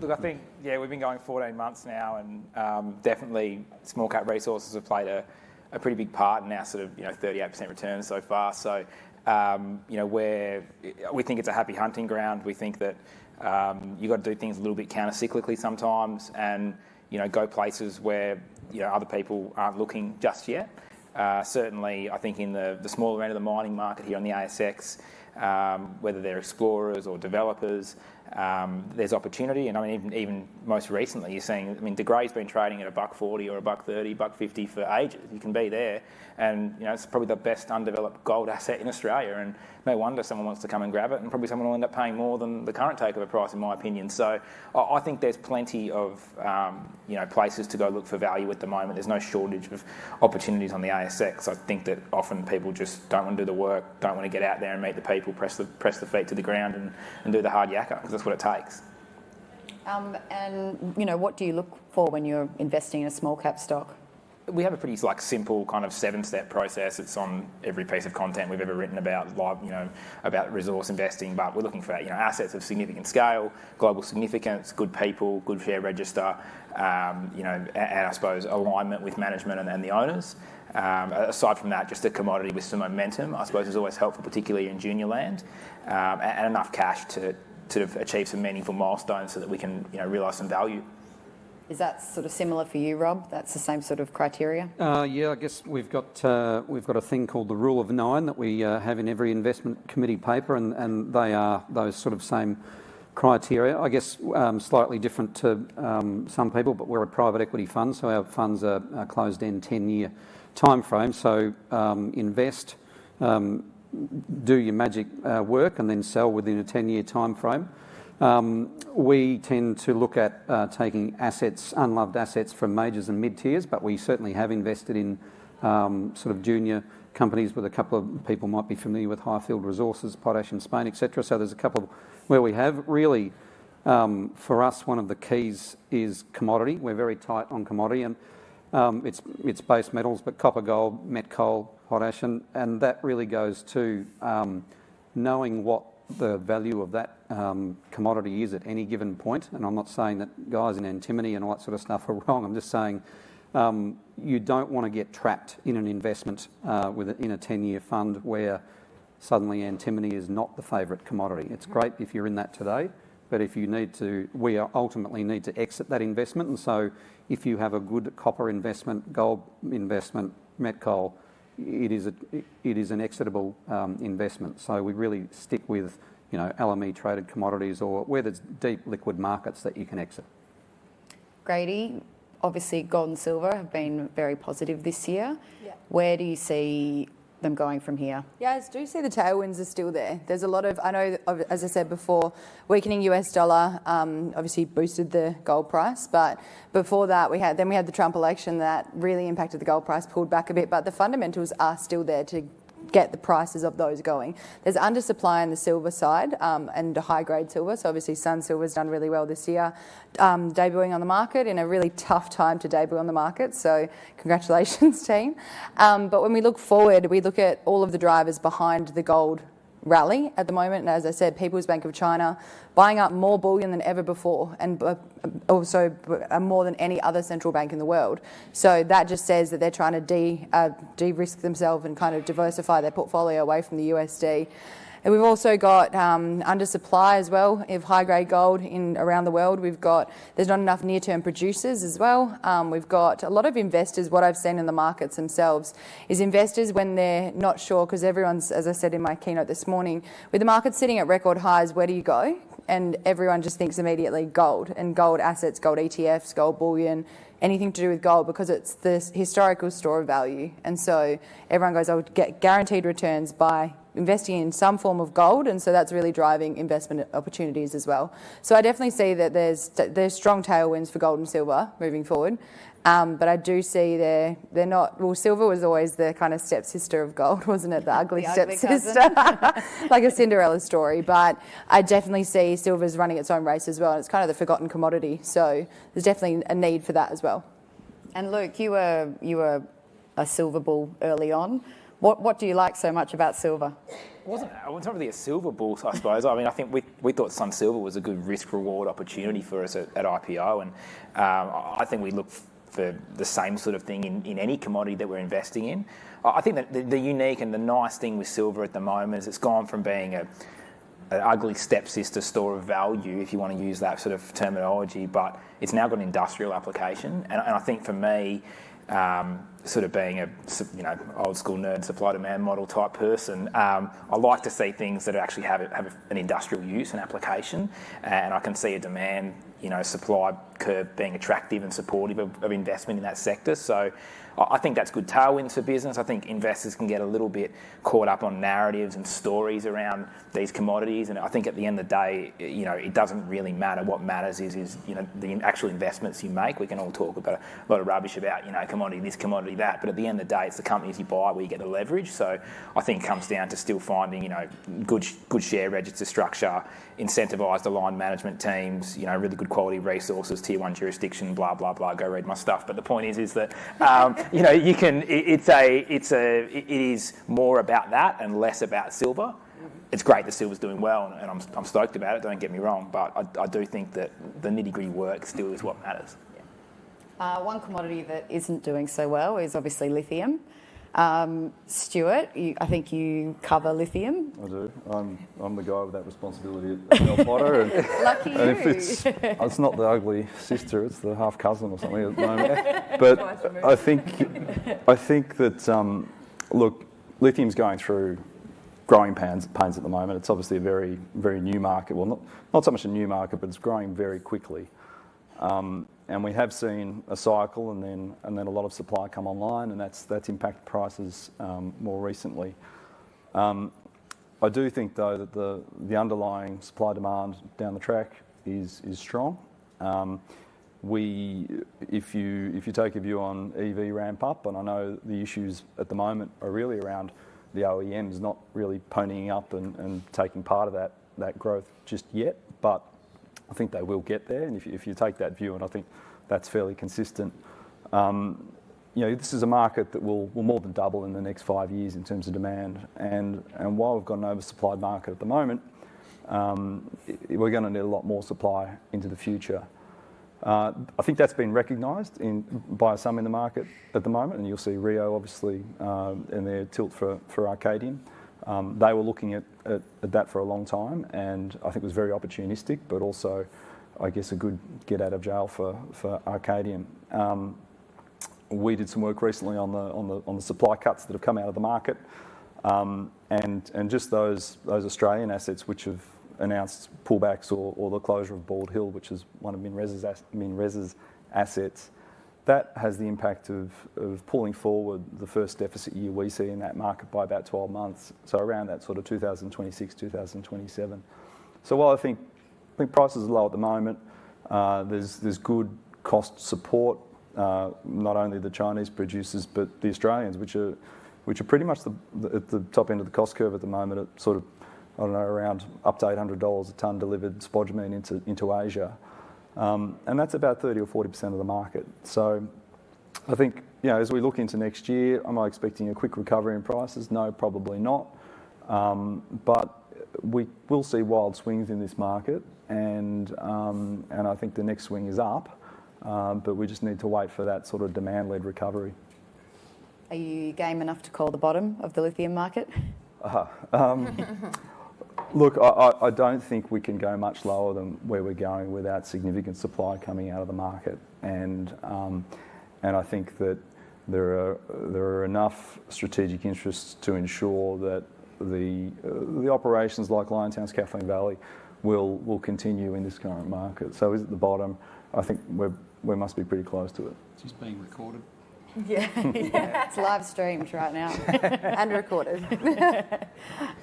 Look, I think, yeah, we've been going 14 months now. And definitely small cap resources have played a pretty big part in our sort of 38% return so far. So we think it's a happy hunting ground. We think that you've got to do things a little bit countercyclically sometimes and go places where other people aren't looking just yet. Certainly, I think in the smaller end of the mining market here on the ASX, whether they're explorers or developers, there's opportunity. And I mean, even most recently, you're seeing, I mean, De Grey has been trading at 1.40 or a buck 30, buck 50 for ages. You can be there. And it's probably the best undeveloped gold asset in Australia. And no wonder someone wants to come and grab it. And probably someone will end up paying more than the current takeover price, in my opinion. So I think there's plenty of places to go look for value at the moment. There's no shortage of opportunities on the ASX. I think that often people just don't want to do the work, don't want to get out there and meet the people, press the feet to the ground and do the hard yakker, because that's what it takes. What do you look for when you're investing in a small cap stock? We have a pretty simple kind of seven-step process. It's on every piece of content we've ever written about resource investing. But we're looking for assets of significant scale, global significance, good people, good share register, and I suppose alignment with management and the owners. Aside from that, just a commodity with some momentum, I suppose, is always helpful, particularly in junior land, and enough cash to achieve some meaningful milestones so that we can realize some value. Is that sort of similar for you, Rob? That's the same sort of criteria? Yeah, I guess we've got a thing called the rule of nine that we have in every investment committee paper, and they are those sort of same criteria, I guess, slightly different to some people, but we're a private equity fund, so our funds are closed in 10-year time frame, so invest, do your magic work, and then sell within a 10-year time frame, we tend to look at taking assets, unloved assets from majors and mid-tiers, but we certainly have invested in sort of junior companies where a couple of people might be familiar with Highfield Resources, Potash and Spain, et cetera, so there's a couple where we have. Really, for us, one of the keys is commodity. We're very tight on commodity, and it's base metals, but copper, gold, metal, potash, and that really goes to knowing what the value of that commodity is at any given point. I'm not saying that guys in antimony and all that sort of stuff are wrong. I'm just saying you don't want to get trapped in an investment in a 10-year fund where suddenly antimony is not the favorite commodity. It's great if you're in that today. But if you need to, we ultimately need to exit that investment. And so if you have a good copper investment, gold investment, metal, it is an exitable investment. So we really stick with LME traded commodities or whether it's deep liquid markets that you can exit. Grady, obviously gold and silver have been very positive this year. Where do you see them going from here? Yeah, I do see the tailwinds are still there. There's a lot of, I know, as I said before, weakening U.S. dollar obviously boosted the gold price. But before that, then we had the Trump election that really impacted the gold price, pulled back a bit but the fundamentals are still there to get the prices of those going. There's undersupply on the silver side and the high-grade silver. So obviously Sun Silver has done really well this year, debuting on the market in a really tough time to debut on the market. So congratulations, team. But when we look forward, we look at all of the drivers behind the gold rally at the moment and as I said, People's Bank of China buying up more bullion than ever before and also more than any other central bank in the world. So that just says that they're trying to de-risk themselves and kind of diversify their portfolio away from the USD. And we've also got undersupply as well of high-grade gold around the world. We've got, there's not enough near-term producers as well. We've got a lot of investors. What I've seen in the markets themselves is investors when they're not sure, because everyone's, as I said in my keynote this morning, with the markets sitting at record highs, where do you go? And everyone just thinks immediately gold and gold assets, gold ETFs, gold bullion, anything to do with gold, because it's the historical store of value. And so everyone goes, I would get guaranteed returns by investing in some form of gold. And so that's really driving investment opportunities as well. So I definitely see that there's strong tailwinds for gold and silver moving forward. But I do see they're not, well, silver was always the kind of stepsister of gold, wasn't it? The ugly stepsister, like a Cinderella story. But I definitely see silver is running its own race as well. And it's kind of the forgotten commodity. So there's definitely a need for that as well. Luke, you were a silver bull early on. What do you like so much about silver? It's not really a silver bull, I suppose. I mean, I think we thought Sun Silver was a good risk-reward opportunity for us at IPO. And I think we look for the same sort of thing in any commodity that we're investing in. I think the unique and the nice thing with silver at the moment is it's gone from being an ugly stepsister store of value, if you want to use that sort of terminology. But it's now got an industrial application. And I think for me, sort of being an old-school nerd supply-demand model type person, I like to see things that actually have an industrial use and application. And I can see a demand supply curve being attractive and supportive of investment in that sector. So I think that's good tailwinds for business. I think investors can get a little bit caught up on narratives and stories around these commodities. And I think at the end of the day, it doesn't really matter. What matters is the actual investments you make. We can all talk about a lot of rubbish about commodity this, commodity that. But at the end of the day, it's the companies you buy where you get the leverage. So I think it comes down to still finding good share register structure, incentivized aligned management teams, really good quality resources, tier one jurisdiction, blah, blah, blah. Go read my stuff. But the point is that you can, it is more about that and less about silver. It's great that silver is doing well. And I'm stoked about it, don't get me wrong. But I do think that the nitty-gritty work still is what matters. One commodity that isn't doing so well is obviously lithium. Stuart, I think you cover lithium. I do. I'm the guy with that responsibility at Bell Potter. Lucky you. It's not the ugly sister. It's the half cousin or something at the moment. I think that, look, lithium is going through growing pains at the moment. It's obviously a very new market, not so much a new market, but it's growing very quickly. We have seen a cycle and then a lot of supply come online. That's impacted prices more recently. I do think, though, that the underlying supply demand down the track is strong. If you take a view on EV ramp up, and I know the issues at the moment are really around the OEMs not really ponying up and taking part of that growth just yet. I think they will get there. If you take that view, and I think that's fairly consistent, this is a market that will more than double in the next five years in terms of demand. While we've got an oversupplied market at the moment, we're going to need a lot more supply into the future. I think that's been recognised by some in the market at the moment. You'll see Rio, obviously, and their bid for Arcadium. They were looking at that for a long time. I think it was very opportunistic, but also, I guess, a good get out of jail for Arcadium. We did some work recently on the supply cuts that have come out of the market. Just those Australian assets which have announced pullbacks or the closure of Bald Hill, which is one of MinRes's assets, that has the impact of pulling forward the first deficit year we see in that market by about 12 months, so around that sort of 2026, 2027. While I think prices are low at the moment, there's good cost support, not only the Chinese producers, but the Australians, which are pretty much at the top end of the cost curve at the moment at sort of, I don't know, around up to $800 a tonne delivered spodumene into Asia. And that's about 30% or 40% of the market. I think as we look into next year, am I expecting a quick recovery in prices? No, probably not. We will see wild swings in this market. I think the next swing is up. But we just need to wait for that sort of demand-led recovery. Are you game enough to call the bottom of the lithium market? Look, I don't think we can go much lower than where we're going without significant supply coming out of the market, and I think that there are enough strategic interests to ensure that the operations like Liontown's Kathleen Valley will continue in this current market, so is it the bottom? I think we must be pretty close to it. Just being recorded. Yeah, it's live streamed right now and recorded.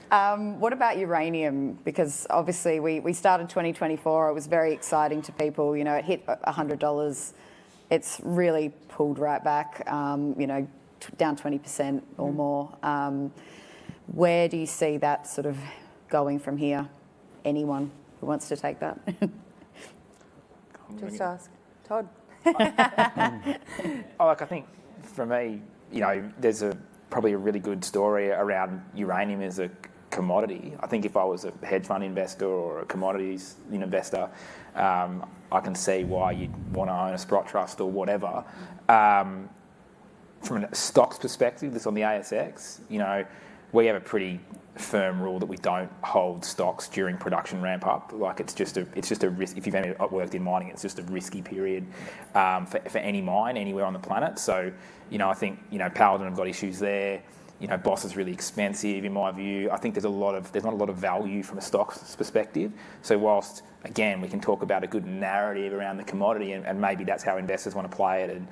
What about uranium? Because obviously we started 2024. It was very exciting to people. It hit $100. It's really pulled right back, down 20% or more. Where do you see that sort of going from here? Anyone who wants to take that? Just ask. Todd? I think for me, there's probably a really good story around uranium as a commodity. I think if I was a hedge fund investor or a commodities investor, I can see why you'd want to own a spot trust or whatever. From a stocks perspective, this on the ASX, we have a pretty firm rule that we don't hold stocks during production ramp up. It's just a risk. If you've ever worked in mining, it's just a risky period for any mine anywhere on the planet. So I think Paladin has got issues there. Boss is really expensive in my view. I think there's a lot of, there's not a lot of value from a stocks perspective. So while, again, we can talk about a good narrative around the commodity, and maybe that's how investors want to play it and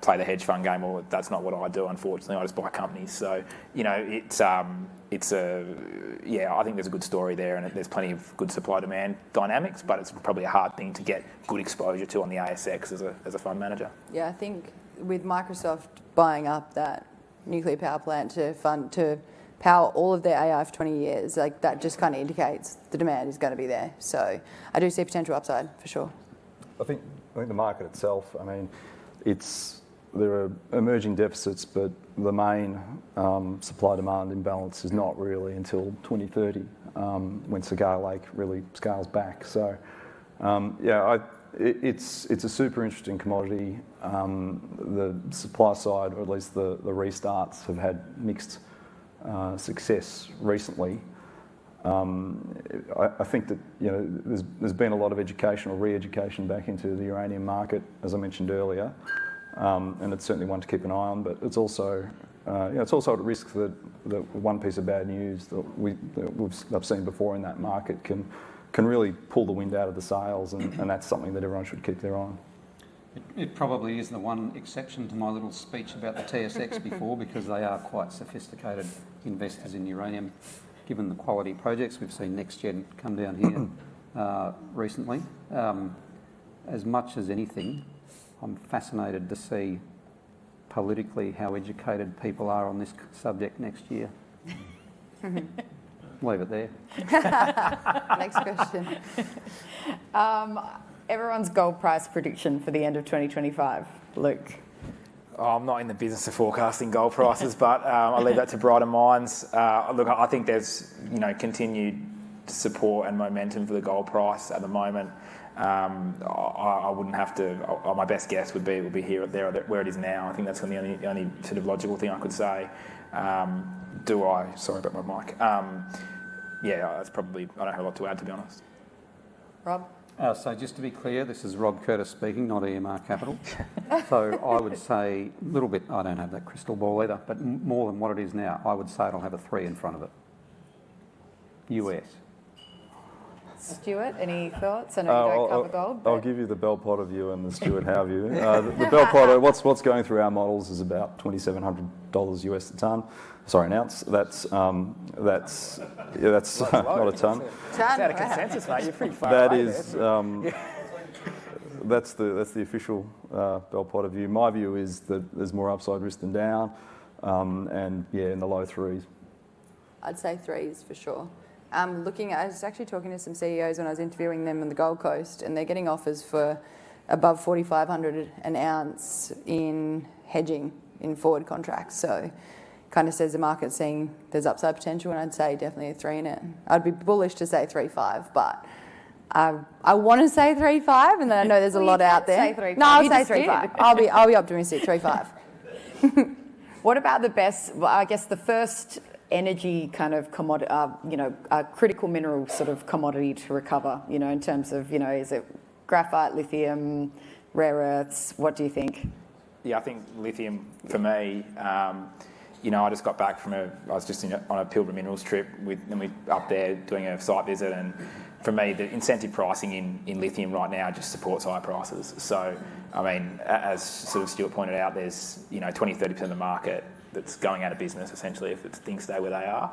play the hedge fund game, well, that's not what I do, unfortunately. I just buy companies. So yeah, I think there's a good story there. And there's plenty of good supply-demand dynamics. But it's probably a hard thing to get good exposure to on the ASX as a fund manager. Yeah, I think with Microsoft buying up that nuclear power plant to power all of their AI for 20 years, that just kind of indicates the demand is going to be there. So I do see potential upside for sure. I think the market itself, I mean, there are emerging deficits. But the main supply-demand imbalance is not really until 2030 when Cigar Lake really scales back. So yeah, it's a super interesting commodity. The supply side, or at least the restarts, have had mixed success recently. I think that there's been a lot of educational re-education back into the uranium market, as I mentioned earlier. And it's certainly one to keep an eye on. But it's also at risk that one piece of bad news that I've seen before in that market can really pull the wind out of the sails. And that's something that everyone should keep their eye on. It probably isn't the one exception to my little speech about the TSX before, because they are quite sophisticated investors in uranium, given the quality projects we've seen NexGen come down here recently. As much as anything, I'm fascinated to see politically how educated people are on this subject next year. Leave it there. Next question. Everyone's gold price prediction for the end of 2025, Luke? I'm not in the business of forecasting gold prices, but I leave that to brighter minds. Look, I think there's continued support and momentum for the gold price at the moment. I wouldn't have to, my best guess would be it would be here or there where it is now. I think that's the only sort of logical thing I could say. Do I? Sorry about my mic. Yeah, that's probably, I don't have a lot to add, to be honest. Rob? So, just to be clear, this is Rob Curtis speaking, not EMR Capital. So, I would say a little bit. I don't have that crystal ball either. But more than what it is now, I would say I'll have a three in front of it. U.S.. Stuart, any thoughts on a direct over gold? I'll give you the Bell Potter view and what Stuart has for you. The Bell Potter, what's going through our models is about $2,700 a ton. Sorry, an ounce. That's not a ton. Ton. That's out of consensus, mate. You're pretty[{fucking] right. That's the official Bell Potter view. My view is that there's more upside risk than down, and yeah, in the low threes. I'd say threes for sure. Looking, I was actually talking to some CEOs when I was interviewing them on the Gold Coast. And they're getting offers for above $4,500 an ounce in hedging in forward contracts. So it kind of says the market's saying there's upside potential. And I'd say definitely a three in it. I'd be bullish to say $3.5. But I want to say $3.5. And I know there's a lot out there. No, he says $3.5. I'll be optimistic. $3.5. What about the best, I guess the first energy kind of critical mineral sort of commodity to recover in terms of, is it graphite, lithium, rare earths? What do you think? Yeah, I think lithium for me. I just got back from a Pilbara Minerals trip, and I was just up there doing a site visit. For me, the incentive pricing in lithium right now just supports high prices. I mean, as sort of Stuart pointed out, there's 20%-30% of the market that's going out of business essentially if things stay where they are.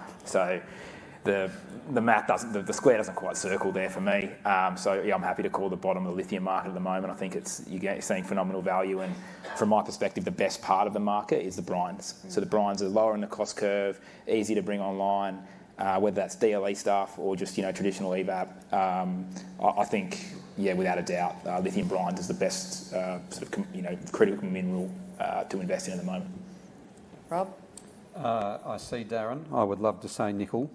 The square doesn't quite circle there for me. Yeah, I'm happy to call the bottom of the lithium market at the moment. I think you're seeing phenomenal value. From my perspective, the best part of the market is the brines. The brines are lower in the cost curve, easy to bring online, whether that's DLE stuff or just traditional EVAP. I think, yeah, without a doubt, lithium brines is the best sort of critical mineral to invest in at the moment. Rob? I see Darren. I would love to say nickel.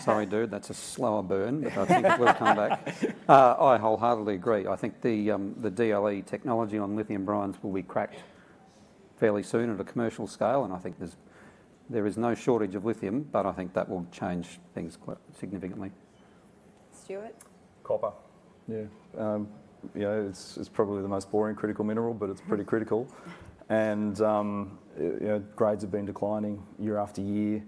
Sorry, dude. That's a slower burn, but I think we'll come back. I wholeheartedly agree. I think the DLE technology on lithium brines will be cracked fairly soon at a commercial scale, and I think there is no shortage of lithium, but I think that will change things quite significantly. Stuart? Copper. Yeah. It's probably the most boring critical mineral. But it's pretty critical. And grades have been declining year after year.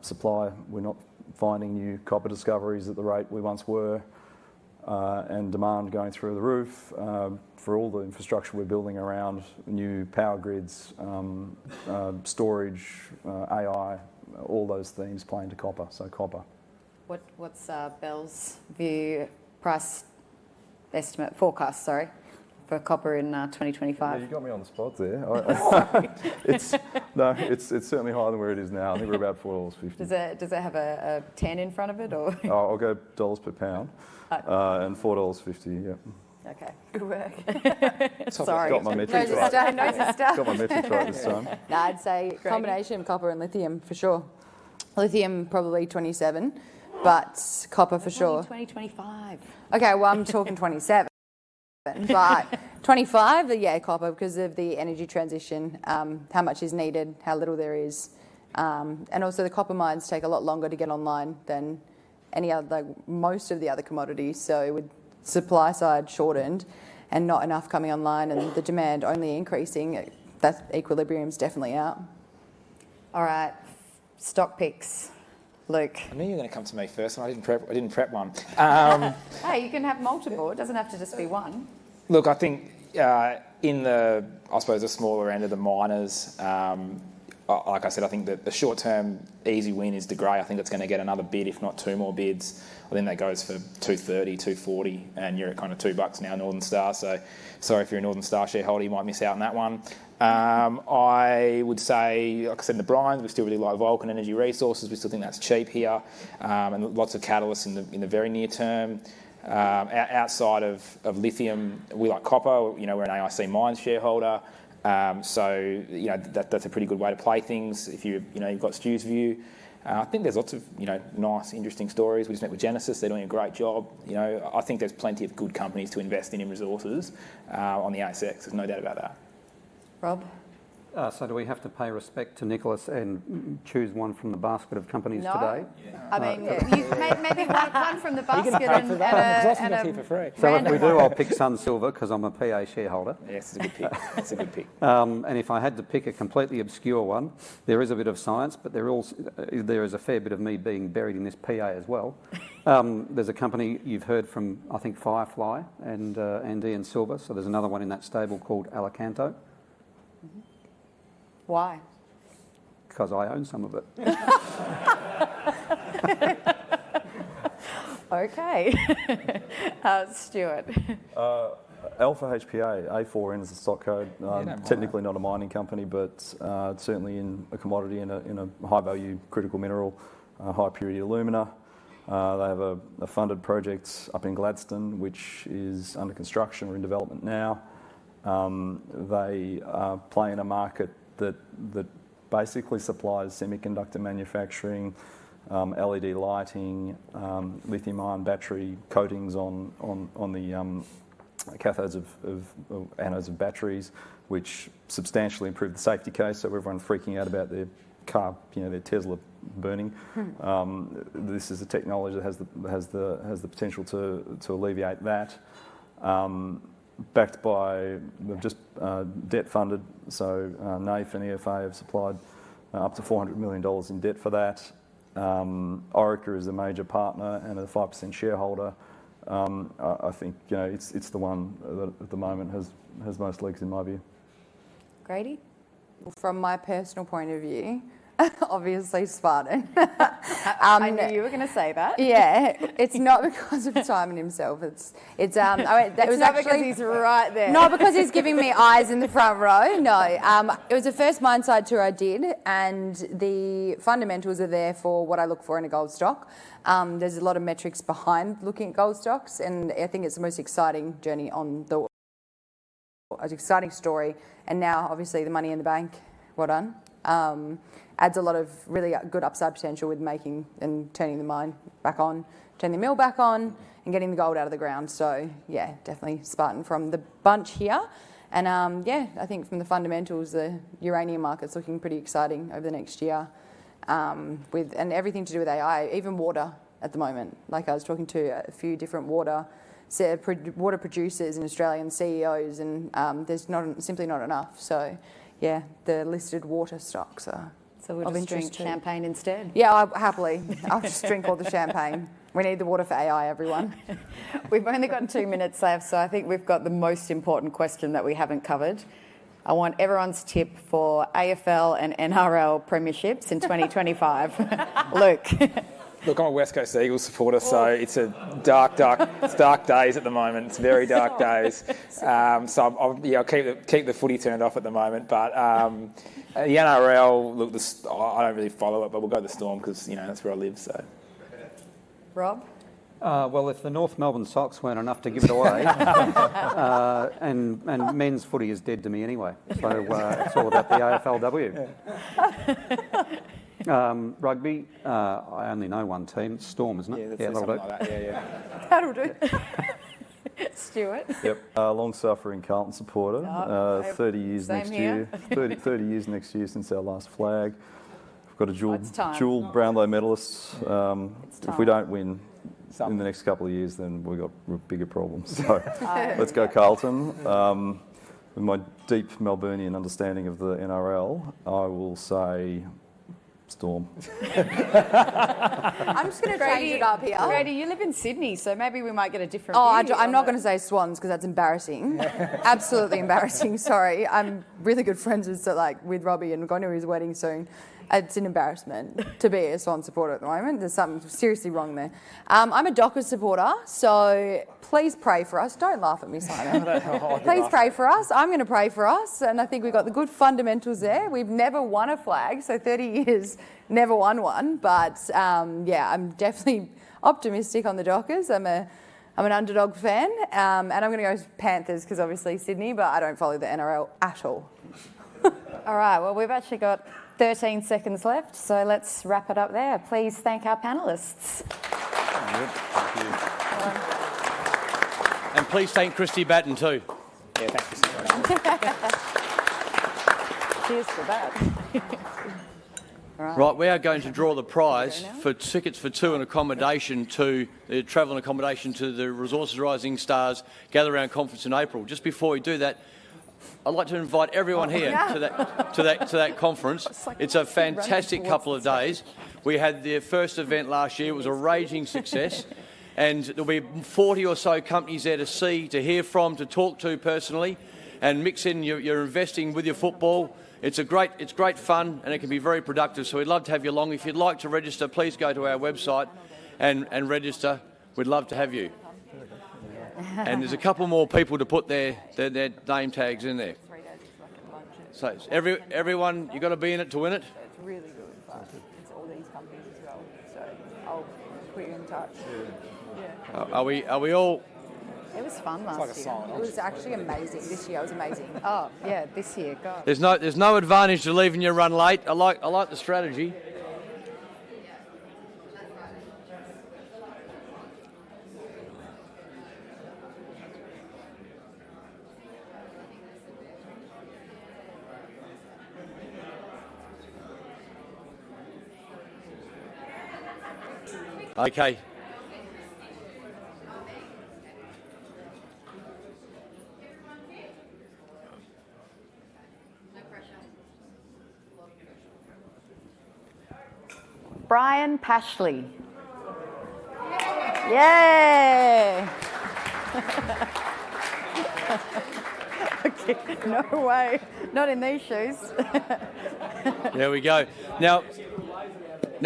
Supply, we're not finding new copper discoveries at the rate we once were. And demand going through the roof for all the infrastructure we're building around new power grids, storage, AI, all those themes playing to copper. So copper. What's Bell's view, price estimate, forecast, sorry, for copper in 2025? You got me on the spot there. No, it's certainly higher than where it is now. I think we're about 4.50 dollars. Does it have a 10 in front of it or? I'll go dollars per pound and $4.50, yeah. Okay. It's got my metric chart. I know your stuff. It's got my metric chart this time. I'd say combination of copper and lithium for sure. Lithium probably $27. But copper for sure. 2025. Okay, well, I'm talking $27. But $25, yeah, copper because of the energy transition, how much is needed, how little there is, and also the copper mines take a lot longer to get online than most of the other commodities, so with supply side shortened and not enough coming online and the demand only increasing, that equilibrium's definitely out. All right. Stock picks, Luke. I knew you were going to come to me first. I didn't prep one. Hey, you can have multiple. It doesn't have to just be one. Look, I think in the, I suppose, the smaller end of the miners, like I said, I think the short-term easy win is the De Grey. I think it's going to get another bid, if not two more bids. I think that goes for 2.30, 2.40, and you're at kind of 2 bucks now, Northern Star. So sorry if you're a Northern Star shareholder, you might miss out on that one. I would say, like I said, the brines, we still really like Vulcan Energy Resources. We still think that's cheap here, and lots of catalysts in the very near term. Outside of lithium, we like copper. We're an AIC Mines shareholder. So that's a pretty good way to play things if you've got Stu's view. I think there's lots of nice, interesting stories. We just met with Genesis. They're doing a great job. I think there's plenty of good companies to invest in resources on the ASX. There's no doubt about that. Rob? So do we have to pay respect to Nicholas and choose one from the basket of companies today? No. I mean, maybe one from the basket and. You can't pick an exclusivity for free. So if we do, I'll pick Sun Silver because I'm a big shareholder. Yes, it's a good pick. If I had to pick a completely obscure one, there is a bit of science. There is a fair bit of me being buried in this PA as well. There's a company you've heard from, I think, Firetail and AIC and Silver. There's another one in that stable called Alicanto. Why? Because I own some of it. Okay. Stuart? Alpha HPA, A4N is the stock code. Technically not a mining company, but certainly a commodity and a high-value critical mineral, high-purity alumina. They have a funded project up in Gladstone, which is under construction or in development now. They play in a market that basically supplies semiconductor manufacturing, LED lighting, lithium-ion battery coatings on the cathodes of batteries, which substantially improve the safety case, so everyone freaking out about their car, their Tesla burning. This is a technology that has the potential to alleviate that. Backed by, they're just debt funded, so NAIF and EFA have supplied up to 400 million dollars in debt for that. Oracle is a major partner and a 5% shareholder. I think it's the one that at the moment has most legs in my view. Grady? From my personal point of view, obviously Spartan. I knew you were going to say that. Yeah. It's not because of Simon himself. It's actually because he's right there. Not because he's giving me eyes in the front row. No. It was the first mine site tour I did. The fundamentals are there for what I look for in a gold stock. There's a lot of metrics behind looking at gold stocks. I think it's the most exciting journey, an exciting story. Now, obviously, the money in the bank, well done, adds a lot of really good upside potential with making and turning the mine back on, turning the mill back on, and getting the gold out of the ground. Yeah, definitely Spartan from the bunch here. Yeah, I think from the fundamentals, the uranium market's looking pretty exciting over the next year. Everything to do with AI, even water at the moment. Like I was talking to a few different water producers in Australia and CEOs. There's simply not enough. Yeah, the listed water stocks are. So we'll just drink champagne instead. Yeah, happily. I'll just drink all the champagne. We need the water for AI, everyone. We've only got two minutes left. So I think we've got the most important question that we haven't covered. I want everyone's tip for AFL and NRL Premierships in 2025. Luke. Look, I'm a West Coast Eagles supporter. So it's dark, dark, it's dark days at the moment. It's very dark days. So yeah, I'll keep the footy turned off at the moment. But the NRL, look, I don't really follow it. But we'll go to Storm because that's where I live. Rob? If the North Melbourne Sox weren't enough to give it away, and men's footy is dead to me anyway. It's all about the AFLW. Rugby, I only know one team. Storm, isn't it? Yeah, that's a little bit. Yeah, yeah. Stuart? Yep. Long-suffering Carlton supporter. 30 years next year. 30 years next year since our last flag. We've got a dual Brownlow medalist. If we don't win in the next couple of years, then we've got bigger problems. So let's go Carlton. With my deep Melburnian understanding of the NRL, I will say Storm. I'm just going to change it up here. Grady, you live in Sydney. So maybe we might get a different view here. Oh, I'm not going to say Swans because that's embarrassing. Absolutely embarrassing. Sorry. I'm really good friends with Robby and we're going to his wedding soon. It's an embarrassment to be a Swan supporter at the moment. There's something seriously wrong there. I'm a Dockers supporter. So please pray for us. Don't laugh at me, Simon. Please pray for us. I'm going to pray for us. And I think we've got the good fundamentals there. We've never won a flag. So 30 years, never won one. But yeah, I'm definitely optimistic on the Dockers. I'm an underdog fan. And I'm going to go with Panthers because obviously Sydney. But I don't follow the NRL at all. All right. Well, we've actually got 13 seconds left. So let's wrap it up there. Please thank our panelists. Thank you. Please thank Kristie Batten too. Yeah, thank you. Cheers to that. Right, we are going to draw the prize for tickets for tour and accommodation to the travel and accommodation to the Resources Rising Stars Gather Round Conference in April. Just before we do that, I'd like to invite everyone here to that conference. It's a fantastic couple of days. We had the first event last year. It was a raging success. And there'll be 40 or so companies there to see, to hear from, to talk to personally. And mix in your investing with your football. It's great fun. And it can be very productive. So we'd love to have you along. If you'd like to register, please go to our website and register. We'd love to have you. And there's a couple more people to put their name tags in there. Everyone, you've got to be in it to win it. It's really good. It's all these companies as well. So I'll put you in touch. Are we all? It was fun last year. It was like a song. It was actually amazing. This year was amazing. Oh, yeah, this year. God. There's no advantage to leaving your run late. I like the strategy. Okay. Brian Pashley. Yeah. No way. Not in these shoes. There we go. Now,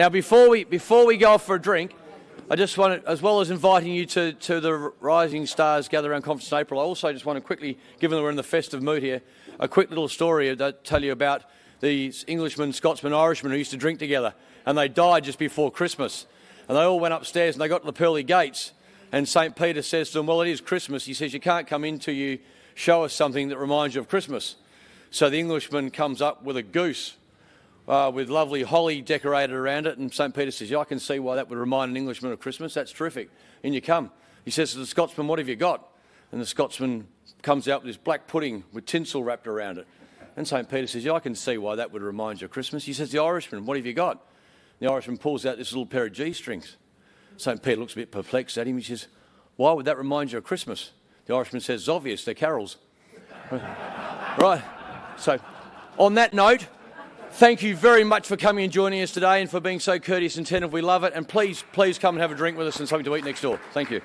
before we go off for a drink, I just wanted, as well as inviting you to the Rising Stars Gather Round Conference in April, I also just want to quickly, given that we're in the festive mood here, a quick little story tell you about these Englishmen, Scotsman, Irishman who used to drink together. And they died just before Christmas. And they all went upstairs. And they got to the pearly gates. And St. Peter says to them, "Well, it is Christmas." He says, "You can't come in till you show us something that reminds you of Christmas." So the Englishman comes up with a goose with lovely holly decorated around it. And St. Peter says, "Yeah, I can see why that would remind an Englishman of Christmas. That's terrific. In you come." He says, "The Scotsman, what have you got?" And the Scotsman comes out with this black pudding with tinsel wrapped around it. And St. Peter says, "Yeah, I can see why that would remind you of Christmas." He says, "The Irishman, what have you got?" The Irishman pulls out this little pair of G-strings. St. Peter looks a bit perplexed at him. He says, "Why would that remind you of Christmas?" The Irishman says, "It's obvious. They're carols." Right. So on that note, thank you very much for coming and joining us today and for being so courteous and tender. We love it. And please, please come and have a drink with us and something to eat next door. Thank you.